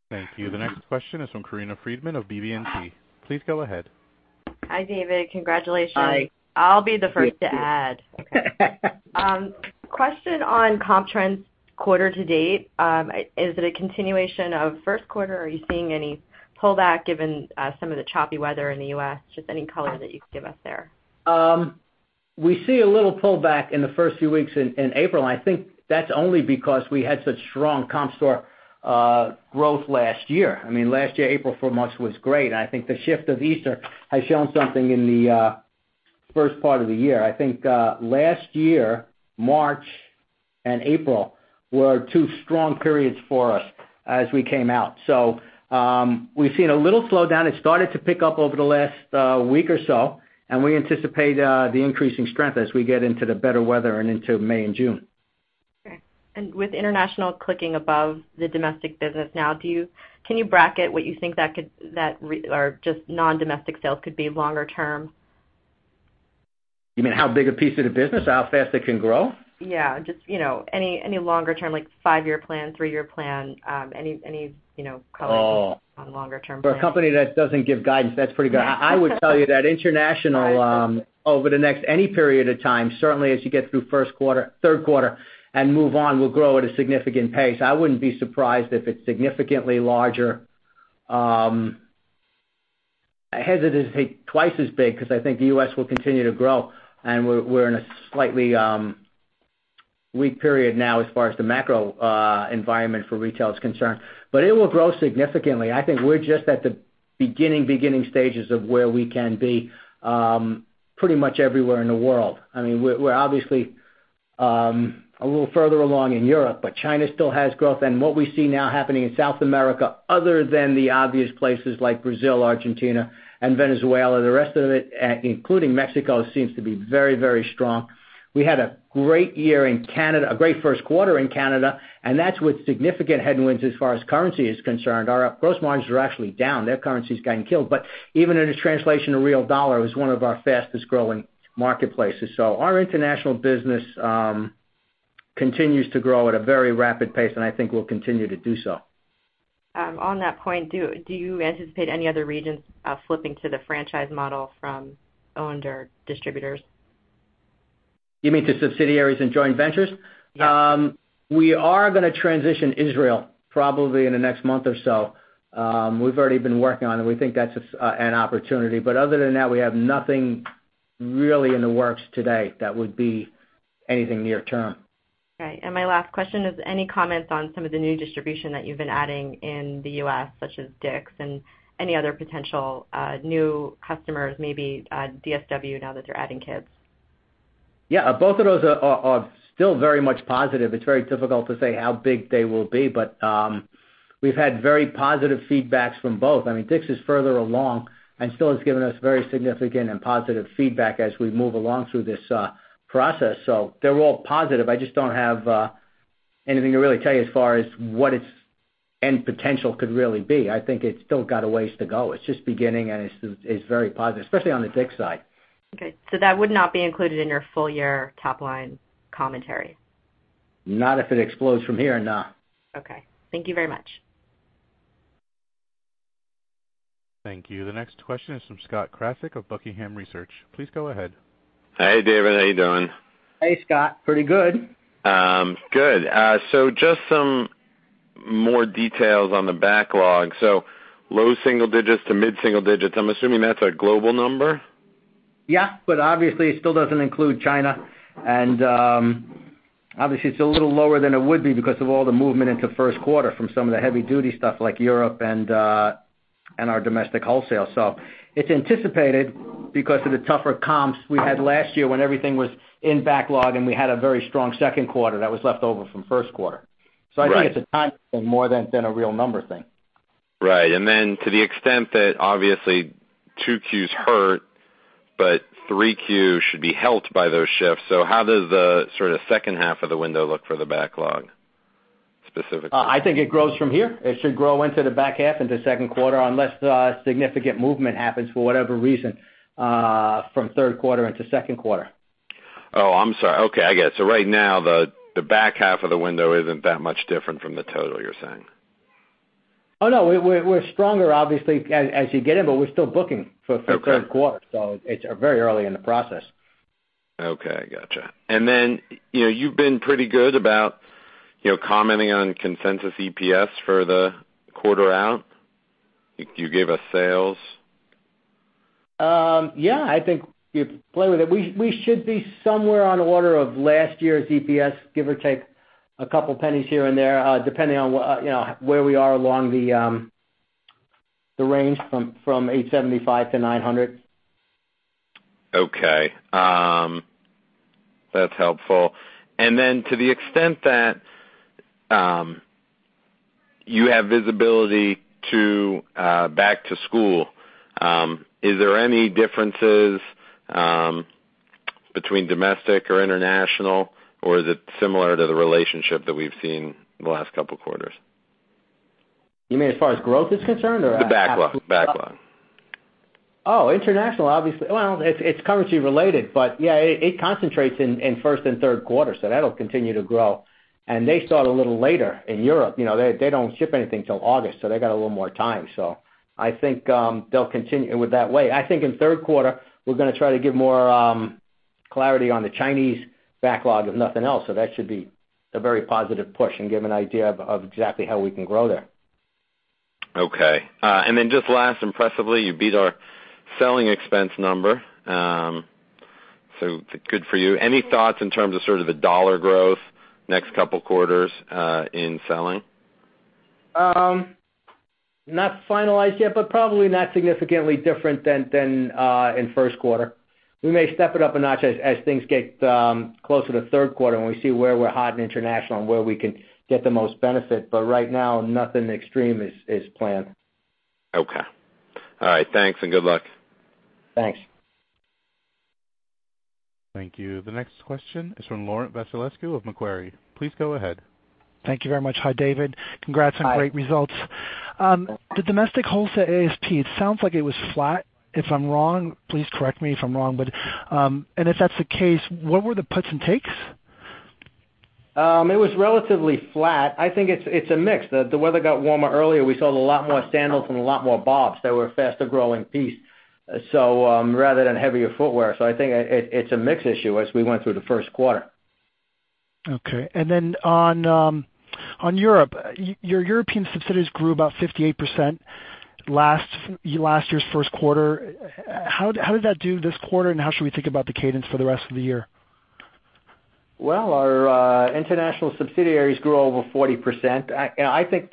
Thank you. The next question is from Corinna Freedman of BB&T. Please go ahead. Hi, David. Congratulations. Hi. I'll be the first to add. Question on comp trends quarter to date. Is it a continuation of first quarter, or are you seeing any pullback given some of the choppy weather in the U.S.? Just any color that you could give us there. We see a little pullback in the first few weeks in April, I think that's only because we had such strong comp store growth last year. Last year, April full month was great. I think the shift of Easter has shown something in the first part of the year. I think, last year, March and April were two strong periods for us as we came out. We've seen a little slowdown. It started to pick up over the last week or so, and we anticipate the increasing strength as we get into the better weather and into May and June. Okay. With international clicking above the domestic business now, can you bracket what you think that just non-domestic sales could be longer term? You mean how big a piece of the business or how fast it can grow? Yeah, just any longer term, five-year plan, three-year plan, any color you can give on longer term planning. For a company that doesn't give guidance, that's pretty good. I would tell you that international over the next, any period of time, certainly as you get through third quarter and move on, will grow at a significant pace. I wouldn't be surprised if it's significantly larger. I hesitate twice as big because I think the U.S. will continue to grow, and we're in a slightly weak period now as far as the macro environment for retail is concerned. It will grow significantly. I think we're just at the beginning stages of where we can be, pretty much everywhere in the world. We're obviously a little further along in Europe, but China still has growth, and what we see now happening in South America, other than the obvious places like Brazil, Argentina, and Venezuela, the rest of it, including Mexico, seems to be very strong. We had a great year in Canada, a great first quarter in Canada. That's with significant headwinds as far as currency is concerned. Our gross margins are actually down. Their currency's gotten killed. Even in its translation to real dollar, it was one of our fastest-growing marketplaces. Our international business continues to grow at a very rapid pace, and I think will continue to do so. On that point, do you anticipate any other regions flipping to the franchise model from owned or distributors? You mean to subsidiaries and joint ventures? Yes. We are going to transition Israel probably in the next month or so. We've already been working on it. We think that's an opportunity. Other than that, we have nothing really in the works today that would be anything near term. Okay. My last question is, any comments on some of the new distribution that you've been adding in the U.S., such as Dick's and any other potential new customers, maybe DSW now that they're adding kids? Yeah, both of those are still very much positive. It's very difficult to say how big they will be, but, we've had very positive feedbacks from both. Dick's is further along and still has given us very significant and positive feedback as we move along through this process. They're all positive. I just don't have anything to really tell you as far as what End potential could really be. I think it's still got a ways to go. It's just beginning, it's very positive, especially on the Dick's side. Okay, that would not be included in your full year top line commentary? Not if it explodes from here, no. Okay. Thank you very much. Thank you. The next question is from Scott Krasik of Buckingham Research. Please go ahead. Hey, David. How you doing? Hey, Scott. Pretty good. Good. Just some more details on the backlog. Low single digits to mid single digits. I'm assuming that's a global number? Yeah, obviously, it still doesn't include China. Obviously, it's a little lower than it would be because of all the movement into first quarter from some of the heavy duty stuff like Europe and our domestic wholesale. It's anticipated because of the tougher comps we had last year when everything was in backlog, and we had a very strong second quarter that was left over from first quarter. Right. I think it's a timing thing more than a real number thing. Right. To the extent that obviously two Qs hurt, but three Qs should be helped by those shifts. How does the sort of second half of the window look for the backlog, specifically? I think it grows from here. It should grow into the back half into second quarter, unless significant movement happens for whatever reason, from third quarter into second quarter. Oh, I'm sorry. Okay, I get it. Right now, the back half of the window isn't that much different from the total, you're saying? Oh, no, we're stronger obviously as you get in, we're still booking- Okay for third quarter, it's very early in the process. Okay, gotcha. You've been pretty good about commenting on consensus EPS for the quarter out. Do you give us sales? Yeah. I think you play with it. We should be somewhere on the order of last year's EPS, give or take a couple pennies here and there, depending on where we are along the range from $875-$900. Okay. That's helpful. To the extent that you have visibility back to school, is there any differences between domestic or international, or is it similar to the relationship that we've seen in the last couple of quarters? You mean as far as growth is concerned or? The backlog International obviously. It's currency related, but it concentrates in first and third quarter, so that'll continue to grow. They start a little later in Europe. They don't ship anything till August, so they got a little more time. I think, they'll continue with that way. I think in third quarter, we're going to try to give more clarity on the Chinese backlog, if nothing else. That should be a very positive push and give an idea of exactly how we can grow there. Just last, impressively, you beat our selling expense number. Good for you. Any thoughts in terms of sort of the dollar growth next couple quarters, in selling? Not finalized yet, but probably not significantly different than in first quarter. We may step it up a notch as things get closer to third quarter and we see where we're hot in international and where we can get the most benefit. Right now, nothing extreme is planned. Okay. All right, thanks and good luck. Thanks. Thank you. The next question is from Laurent Vasilescu of Macquarie. Please go ahead. Thank you very much. Hi, David. Congrats on great results. Hi. The domestic wholesale ASP, it sounds like it was flat. If I'm wrong, please correct me if I'm wrong. If that's the case, what were the puts and takes? It was relatively flat. I think it's a mix. The weather got warmer earlier. We sold a lot more sandals and a lot more BOBS that were a faster-growing piece, rather than heavier footwear. I think it's a mix issue as we went through the first quarter. Okay. On Europe, your European subsidiaries grew about 58% last year's first quarter. How did that do this quarter, and how should we think about the cadence for the rest of the year? Our international subsidiaries grew over 40%. I think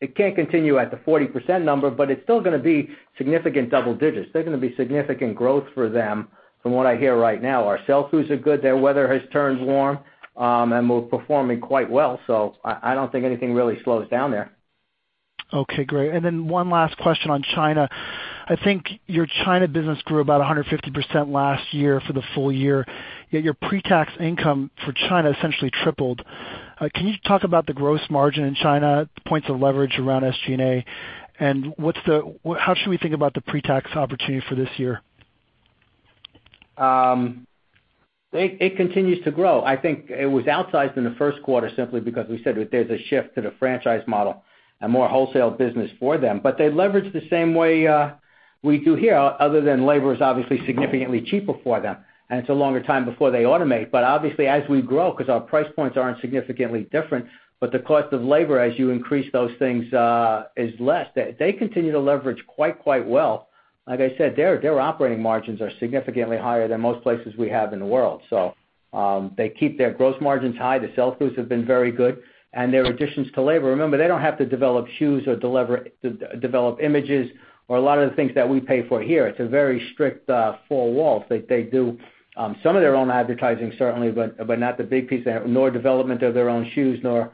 it can't continue at the 40% number, but it's still going to be significant double digits. There's going to be significant growth for them from what I hear right now. Our sell-throughs are good. Their weather has turned warm. We're performing quite well, I don't think anything really slows down there. Okay, great. One last question on China. I think your China business grew about 150% last year for the full year, yet your pre-tax income for China essentially tripled. Can you just talk about the gross margin in China, the points of leverage around SG&A, and how should we think about the pre-tax opportunity for this year? It continues to grow. I think it was outsized in the first quarter simply because we said that there's a shift to the franchise model and more wholesale business for them. They leverage the same way we do here, other than labor is obviously significantly cheaper for them, and it's a longer time before they automate. Obviously as we grow, because our price points aren't significantly different, but the cost of labor as you increase those things, is less. They continue to leverage quite well. Like I said, their operating margins are significantly higher than most places we have in the world. They keep their gross margins high. The sell-throughs have been very good. Their additions to labor, remember, they don't have to develop shoes or develop images or a lot of the things that we pay for here. It's a very strict, four walls. They do some of their own advertising, certainly, but not the big piece, nor development of their own shoes, nor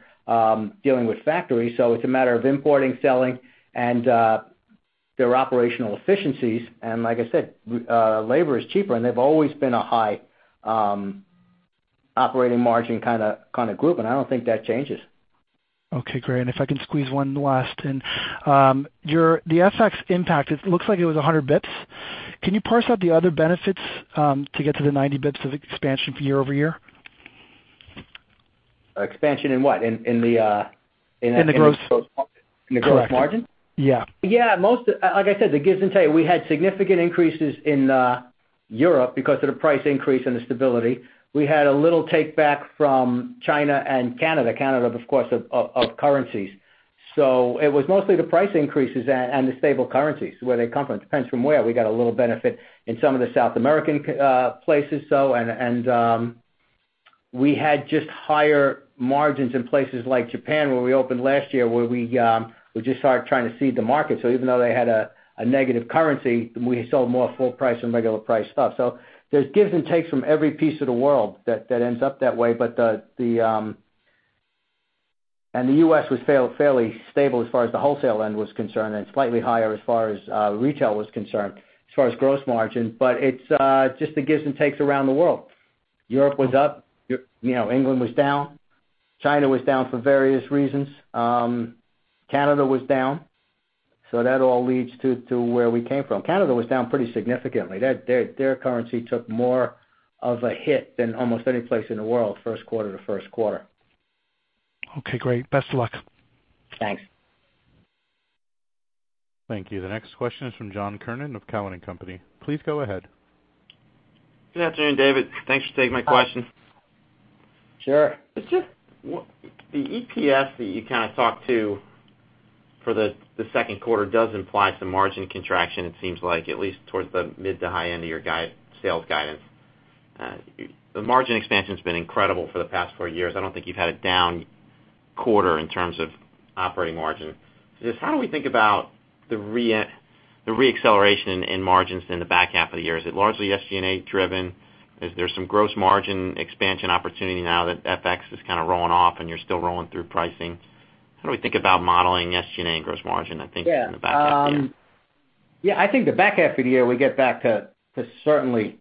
dealing with factories. It's a matter of importing, selling, and their operational efficiencies. Like I said, labor is cheaper, and they've always been a high operating margin kind of group, and I don't think that changes. Okay, great. If I can squeeze one last in. The FX impact, it looks like it was 100 basis points. Can you parse out the other benefits to get to the 90 basis points of expansion year-over-year? Expansion in what? In the gross in the gross margin? Correct. Yeah. Yeah. Like I said, the gives and take. We had significant increases in Europe because of the price increase and the stability. We had a little take back from China and Canada. Canada, of course, of currencies. It was mostly the price increases and the stable currencies where they come from. Depends from where. We got a little benefit in some of the South American places. We had just higher margins in places like Japan, where we opened last year, where we just started trying to seed the market. Even though they had a negative currency, we sold more full price and regular price stuff. There's gives and takes from every piece of the world that ends up that way. The U.S. was fairly stable as far as the wholesale end was concerned, and slightly higher as far as retail was concerned, as far as gross margin. It's just the gives and takes around the world. Europe was up. England was down. China was down for various reasons. Canada was down. That all leads to where we came from. Canada was down pretty significantly. Their currency took more of a hit than almost any place in the world first quarter to first quarter. Okay, great. Best of luck. Thanks. Thank you. The next question is from John Kernan of Cowen and Company. Please go ahead. Good afternoon, David. Thanks for taking my question. Sure. It's just the EPS that you kind of talked to for the second quarter does imply some margin contraction, it seems like, at least towards the mid to high end of your sales guidance. The margin expansion's been incredible for the past four years. I don't think you've had a down quarter in terms of operating margin. Just how do we think about the re-acceleration in margins in the back half of the year? Is it largely SG&A driven? Is there some gross margin expansion opportunity now that FX is kind of rolling off and you're still rolling through pricing? How do we think about modeling SG&A and gross margin, I think, in the back half of the year? Yeah, I think the back half of the year, we get back to certainly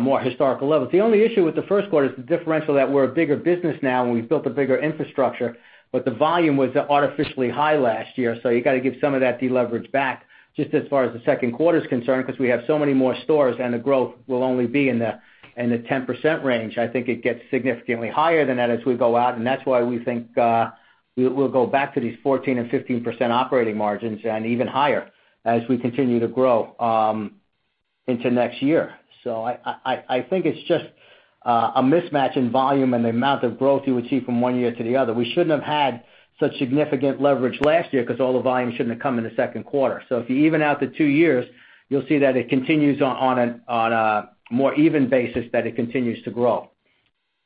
more historical levels. The only issue with the first quarter is the differential that we're a bigger business now and we've built a bigger infrastructure, but the volume was artificially high last year, so you got to give some of that deleverage back just as far as the second quarter is concerned because we have so many more stores and the growth will only be in the 10% range. I think it gets significantly higher than that as we go out, and that's why we think we'll go back to these 14% and 15% operating margins and even higher as we continue to grow into next year. I think it's just a mismatch in volume and the amount of growth you would see from one year to the other. We shouldn't have had such significant leverage last year because all the volume shouldn't have come in the second quarter. If you even out the two years, you'll see that it continues on a more even basis, that it continues to grow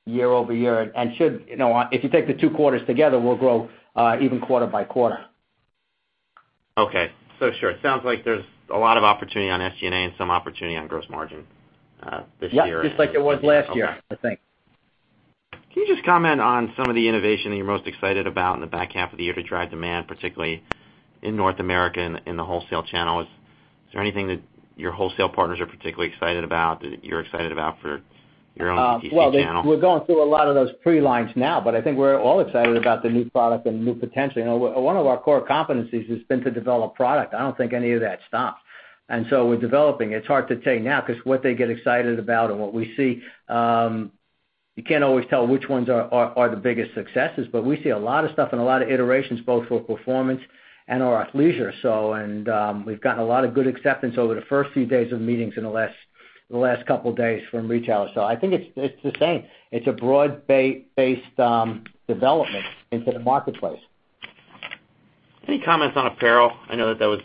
year-over-year. If you take the two quarters together, we'll grow even quarter-by-quarter. Okay. Sure. It sounds like there's a lot of opportunity on SG&A and some opportunity on gross margin this year. Yep, just like it was last year, I think. Can you just comment on some of the innovation that you're most excited about in the back half of the year to drive demand, particularly in North America and in the wholesale channel? Is there anything that your wholesale partners are particularly excited about that you're excited about for your own DTC channel? Well, we're going through a lot of those pre-lines now, but I think we're all excited about the new product and new potential. One of our core competencies has been to develop product. I don't think any of that stopped. We're developing. It's hard to say now because what they get excited about and what we see, you can't always tell which ones are the biggest successes, but we see a lot of stuff and a lot of iterations, both for performance and our athleisure. We've gotten a lot of good acceptance over the first few days of meetings in the last couple of days from retailers. I think it's the same. It's a broad-based development into the marketplace. Any comments on apparel? I know that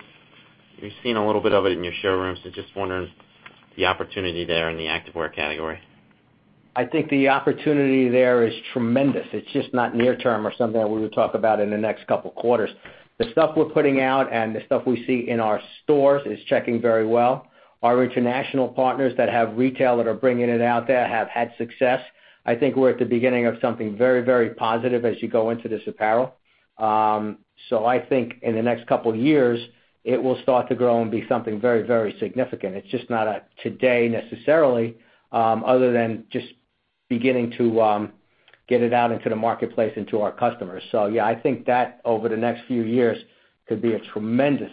you've seen a little bit of it in your showrooms, so just wondering the opportunity there in the active wear category. I think the opportunity there is tremendous. It's just not near term or something that we would talk about in the next couple of quarters. The stuff we're putting out and the stuff we see in our stores is checking very well. Our international partners that have retail that are bringing it out there have had success. I think we're at the beginning of something very positive as you go into this apparel. I think in the next couple of years, it will start to grow and be something very significant. It's just not today necessarily, other than just beginning to get it out into the marketplace and to our customers. Yeah, I think that over the next few years could be a tremendous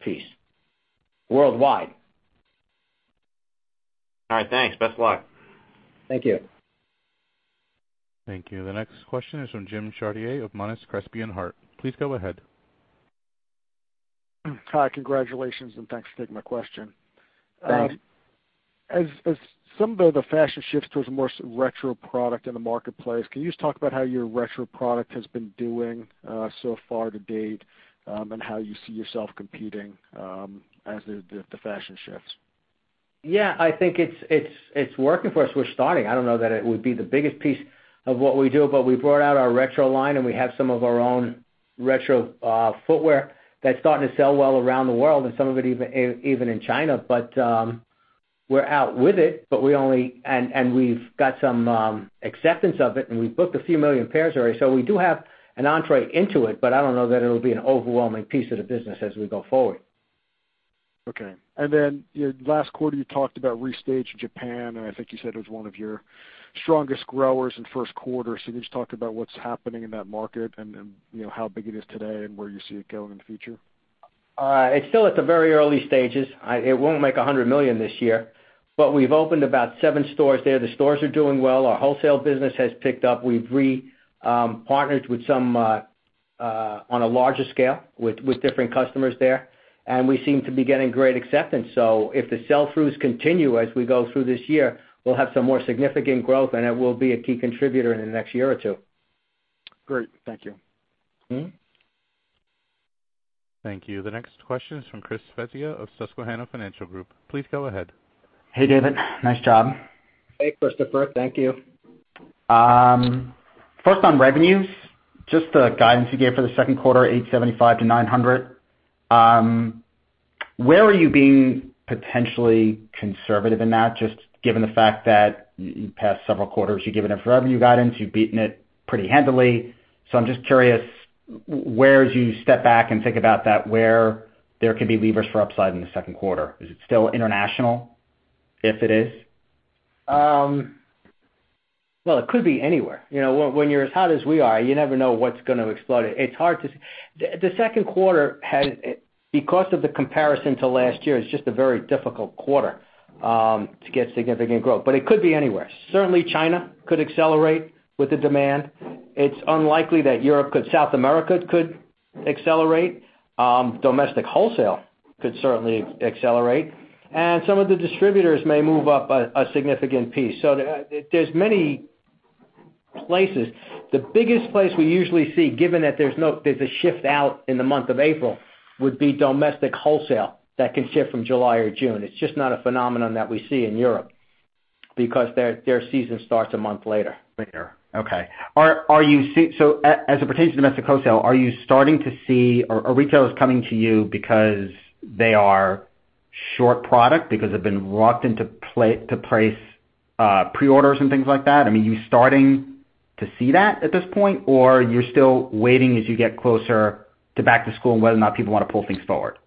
piece worldwide. All right, thanks. Best of luck. Thank you. Thank you. The next question is from Jim Chartier of Monness, Crespi, Hardt. Please go ahead. Hi, congratulations, and thanks for taking my question. Thanks. As some of the fashion shifts towards a more retro product in the marketplace, can you just talk about how your retro product has been doing so far to date and how you see yourself competing as the fashion shifts? Yeah, I think it's working for us. We're starting. I don't know that it would be the biggest piece of what we do, but we brought out our retro line, and we have some of our own retro footwear that's starting to sell well around the world, and some of it even in China. We're out with it, and we've got some acceptance of it, and we've booked a few million pairs already. We do have an entrée into it, but I don't know that it'll be an overwhelming piece of the business as we go forward. Okay. Last quarter, you talked about restage in Japan, and I think you said it was one of your strongest growers in first quarter. Can you just talk about what's happening in that market and how big it is today and where you see it going in the future? It's still at the very early stages. It won't make $100 million this year, but we've opened about seven stores there. The stores are doing well. Our wholesale business has picked up. We've re-partnered on a larger scale with different customers there, and we seem to be getting great acceptance. If the sell-throughs continue as we go through this year, we'll have some more significant growth, and it will be a key contributor in the next year or two. Great. Thank you. Thank you. The next question is from Christopher Svezia of Susquehanna Financial Group. Please go ahead. Hey, David. Nice job. Hey, Christopher. Thank you. First, on revenues, just the guidance you gave for the second quarter, $875 million to $900 million. Where are you being potentially conservative in that, just given the fact that in the past several quarters, you've given a revenue guidance, you've beaten it pretty handily. I'm just curious, as you step back and think about that, where there could be levers for upside in the second quarter? Is it still international, if it is? It could be anywhere. When you're as hot as we are, you never know what's going to explode. The second quarter, because of the comparison to last year, is just a very difficult quarter to get significant growth. It could be anywhere. Certainly, China could accelerate with the demand. It's unlikely that Europe could. South America could accelerate. Domestic wholesale could certainly accelerate. Some of the distributors may move up a significant piece. There's many places. The biggest place we usually see, given that there's a shift out in the month of April, would be domestic wholesale that can shift from July or June. It's just not a phenomenon that we see in Europe because their season starts a month later. Later. Okay. As it pertains to domestic wholesale, are you starting to see, are retailers coming to you because they are short product because they've been reluctant to place pre-orders and things like that? I mean, are you starting to see that at this point, or you're still waiting as you get closer to back to school and whether or not people want to pull things forward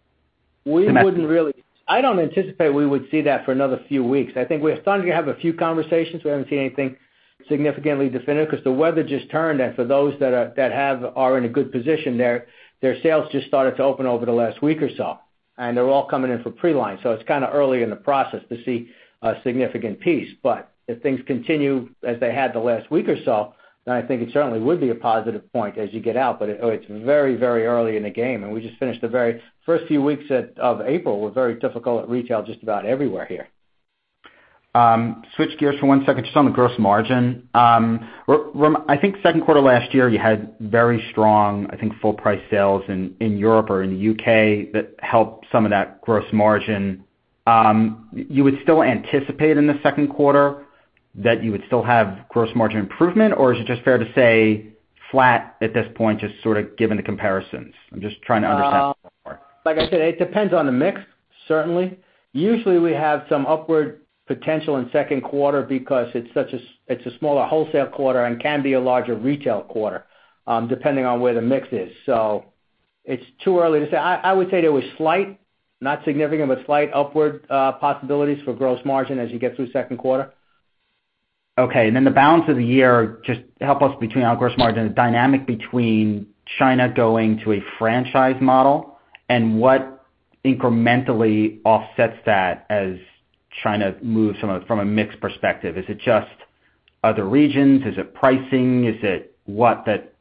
domestically? I don't anticipate we would see that for another few weeks. I think we're starting to have a few conversations. We haven't seen anything significantly definitive because the weather just turned, and for those that are in a good position, their sales just started to open over the last week or so. They're all coming in for pre-line. It's kind of early in the process to see a significant piece. If things continue as they had the last week or so, then I think it certainly would be a positive point as you get out. It's very, very early in the game, and we just finished the very first few weeks of April, were very difficult at retail, just about everywhere here. Switch gears for one second, just on the gross margin. I think second quarter last year, you had very strong, I think, full price sales in Europe or in the U.K. that helped some of that gross margin. You would still anticipate in the second quarter that you would still have gross margin improvement? Is it just fair to say flat at this point, just sort of given the comparisons? I'm just trying to understand that more. Like I said, it depends on the mix, certainly. Usually, we have some upward potential in second quarter because it's a smaller wholesale quarter and can be a larger retail quarter, depending on where the mix is. It's too early to say. I would say there was slight, not significant, but slight upward possibilities for gross margin as you get through second quarter. Okay. Then the balance of the year, just help us between our gross margin, the dynamic between China going to a franchise model and what incrementally offsets that as China moves from a mix perspective. Is it just other regions? Is it pricing? Is it what that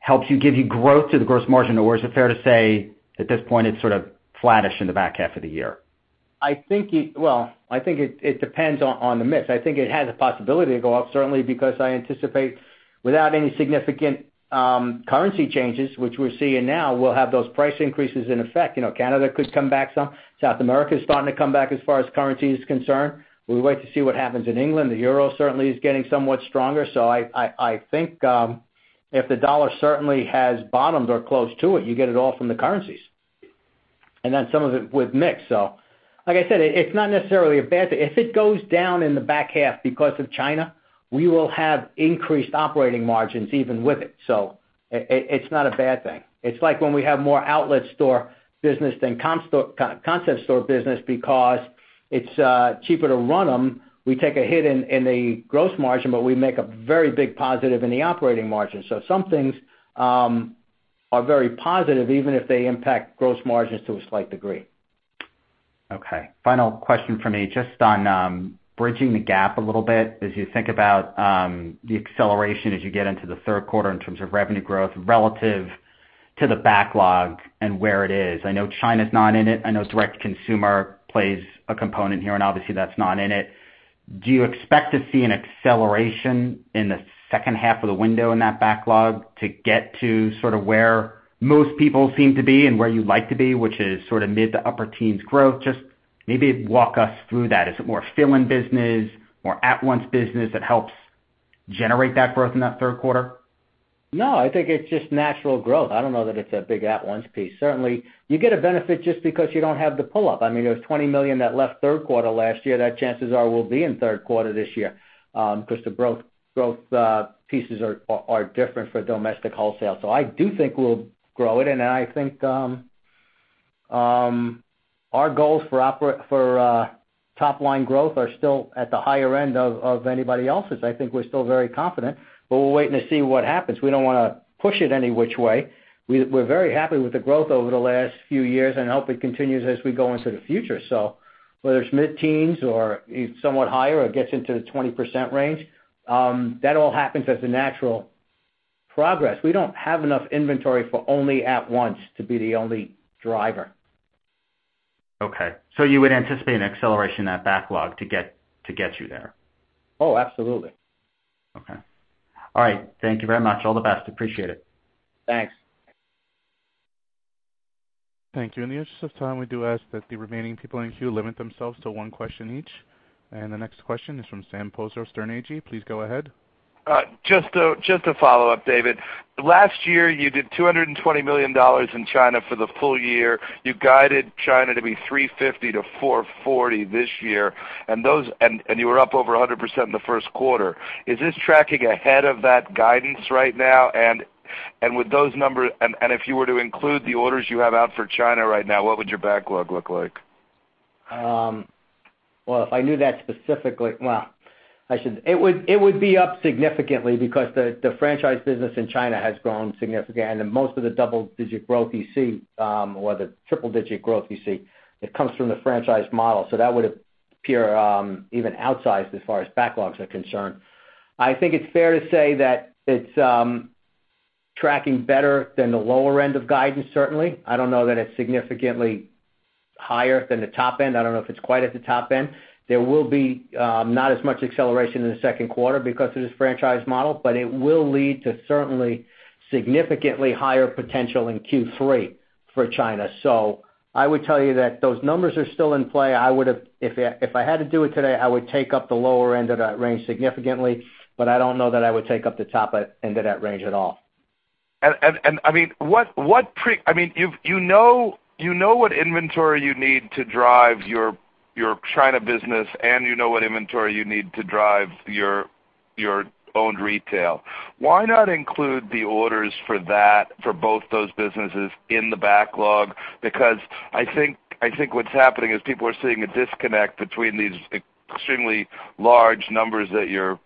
helps you give you growth to the gross margin? Is it fair to say at this point it's sort of flattish in the back half of the year? I think it depends on the mix. I think it has a possibility to go up, certainly because I anticipate without any significant currency changes, which we're seeing now, we'll have those price increases in effect. Canada could come back some. South America is starting to come back as far as currency is concerned. We wait to see what happens in England. The Euro certainly is getting somewhat stronger. I think if the dollar certainly has bottomed or close to it, you get it all from the currencies, and then some of it with mix. Like I said, it's not necessarily a bad thing. If it goes down in the back half because of China, we will have increased operating margins even with it. It's not a bad thing. It's like when we have more outlet store business than concept store business because it's cheaper to run them. We take a hit in the gross margin, but we make a very big positive in the operating margin. Some things are very positive, even if they impact gross margins to a slight degree. Okay. Final question from me, just on bridging the gap a little bit as you think about the acceleration as you get into the third quarter in terms of revenue growth relative to the backlog and where it is. I know China's not in it. I know direct to consumer plays a component here, and obviously that's not in it. Do you expect to see an acceleration in the second half of the window in that backlog to get to sort of where most people seem to be and where you'd like to be, which is sort of mid to upper teens growth? Just maybe walk us through that. Is it more fill-in business, more at-once business that helps generate that growth in that third quarter? I think it's just natural growth. I don't know that it's a big at-once piece. Certainly, you get a benefit just because you don't have the pull-up. I mean, there's $20 million that left third quarter last year that chances are will be in third quarter this year because the growth pieces are different for domestic wholesale. I do think we'll grow it, and Our goals for top-line growth are still at the higher end of anybody else's. I think we're still very confident, but we're waiting to see what happens. We don't want to push it any which way. We're very happy with the growth over the last few years and hope it continues as we go into the future. Whether it's mid-teens or somewhat higher, or it gets into the 20% range, that all happens as a natural progress. We don't have enough inventory for only at once to be the only driver. Okay, you would anticipate an acceleration of that backlog to get you there. Absolutely. Okay. All right. Thank you very much. All the best. Appreciate it. Thanks. Thank you. In the interest of time, we do ask that the remaining people in queue limit themselves to one question each. The next question is from Sam Poser, Sterne Agee. Please go ahead. Just a follow-up, David. Last year, you did $220 million in China for the full year. You guided China to be $350 million-$440 million this year, and you were up over 100% in the first quarter. Is this tracking ahead of that guidance right now? If you were to include the orders you have out for China right now, what would your backlog look like? It would be up significantly because the franchise business in China has grown significantly. Most of the double-digit growth you see, or the triple-digit growth you see, it comes from the franchise model. That would appear even outsized as far as backlogs are concerned. I think it's fair to say that it's tracking better than the lower end of guidance, certainly. I don't know that it's significantly higher than the top end. I don't know if it's quite at the top end. There will be not as much acceleration in the second quarter because of this franchise model, but it will lead to certainly significantly higher potential in Q3 for China. I would tell you that those numbers are still in play. If I had to do it today, I would take up the lower end of that range significantly, I don't know that I would take up the top end of that range at all. You know what inventory you need to drive your China business, and you know what inventory you need to drive your owned retail. Why not include the orders for both those businesses in the backlog? Because I think what's happening is people are seeing a disconnect between these extremely large numbers that you're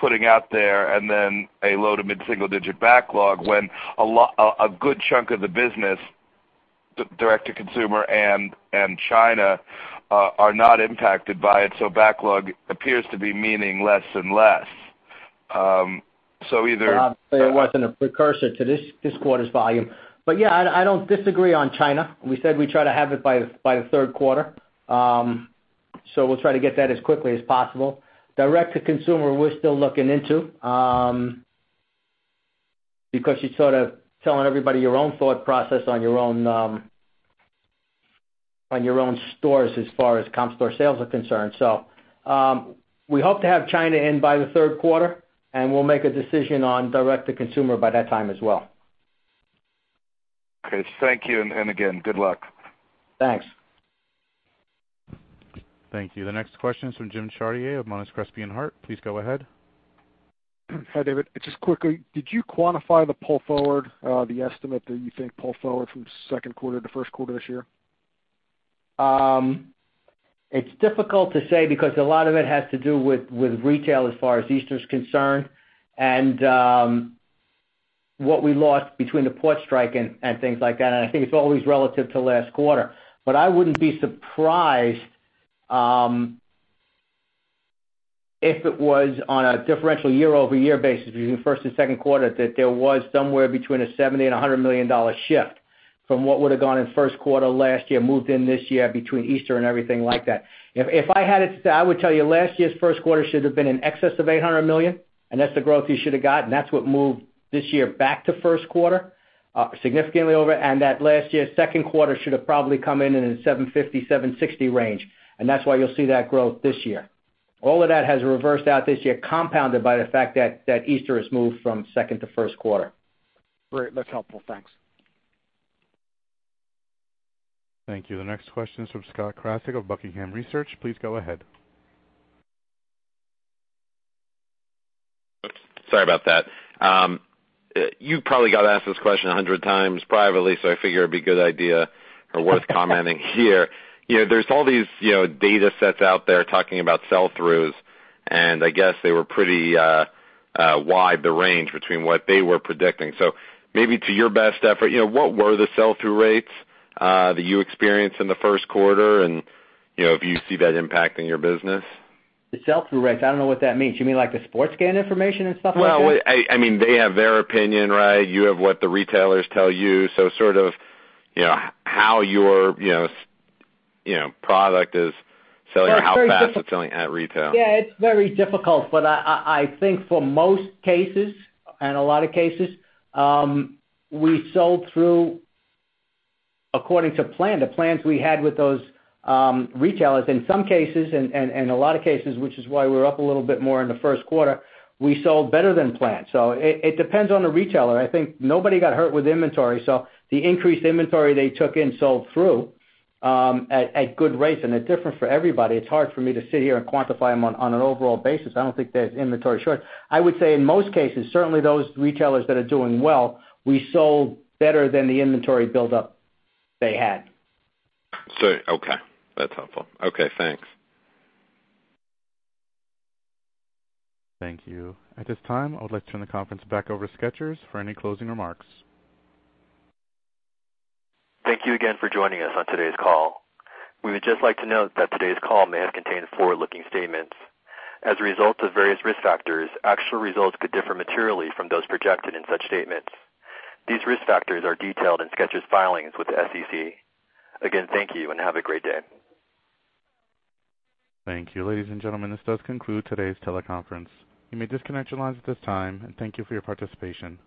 putting out there and then a low to mid-single-digit backlog when a good chunk of the business, direct to consumer and China, are not impacted by it. Backlog appears to be meaning less and less. Well, it wasn't a precursor to this quarter's volume. Yeah, I don't disagree on China. We said we'd try to have it by the third quarter. We'll try to get that as quickly as possible. Direct to consumer, we're still looking into because you're sort of telling everybody your own thought process on your own stores as far as comp store sales are concerned. We hope to have China in by the third quarter, and we'll make a decision on direct to consumer by that time as well. Okay, thank you. Again, good luck. Thanks. Thank you. The next question is from Jim Chartier of Monness, Crespi and Hardt. Please go ahead. Hi, David. Just quickly, did you quantify the pull forward, the estimate that you think pull forward from second quarter to first quarter this year? It's difficult to say because a lot of it has to do with retail as far as Easter is concerned and what we lost between the port strike and things like that. I think it's always relative to last quarter. I wouldn't be surprised if it was on a differential year-over-year basis between first and second quarter, that there was somewhere between a $70 million-$100 million shift from what would have gone in first quarter last year, moved in this year between Easter and everything like that. If I had it to say, I would tell you last year's first quarter should have been in excess of $800 million, and that's the growth you should have got, and that's what moved this year back to first quarter, significantly over. That last year's second quarter should have probably come in in the $750-$760 range, and that's why you'll see that growth this year. All of that has reversed out this year, compounded by the fact that Easter has moved from second to first quarter. Great. That's helpful. Thanks. Thank you. The next question is from Scott Krasik of Buckingham Research. Please go ahead. Sorry about that. You probably got asked this question 100 times privately, I figure it'd be a good idea or worth commenting here. There's all these data sets out there talking about sell-throughs, and I guess they were pretty wide, the range between what they were predicting. Maybe to your best effort, what were the sell-through rates that you experienced in the first quarter and if you see that impacting your business? The sell-through rates, I don't know what that means. You mean like the SportScan information and stuff like that? Well, I mean, they have their opinion, right? You have what the retailers tell you. Sort of how your product is selling or how fast it's selling at retail. It's very difficult. I think for most cases, and a lot of cases, we sold through according to plan, the plans we had with those retailers. In some cases, and a lot of cases, which is why we're up a little bit more in the first quarter, we sold better than planned. It depends on the retailer. I think nobody got hurt with inventory, so the increased inventory they took in sold through at good rates, and it's different for everybody. It's hard for me to sit here and quantify them on an overall basis. I don't think there's inventory short. I would say in most cases, certainly those retailers that are doing well, we sold better than the inventory buildup they had. Okay, that's helpful. Okay, thanks. Thank you. At this time, I would like to turn the conference back over to Skechers for any closing remarks. Thank you again for joining us on today's call. We would just like to note that today's call may have contained forward-looking statements. As a result of various risk factors, actual results could differ materially from those projected in such statements. These risk factors are detailed in Skechers' filings with the SEC. Again, thank you and have a great day. Thank you. Ladies and gentlemen, this does conclude today's teleconference. You may disconnect your lines at this time, and thank you for your participation.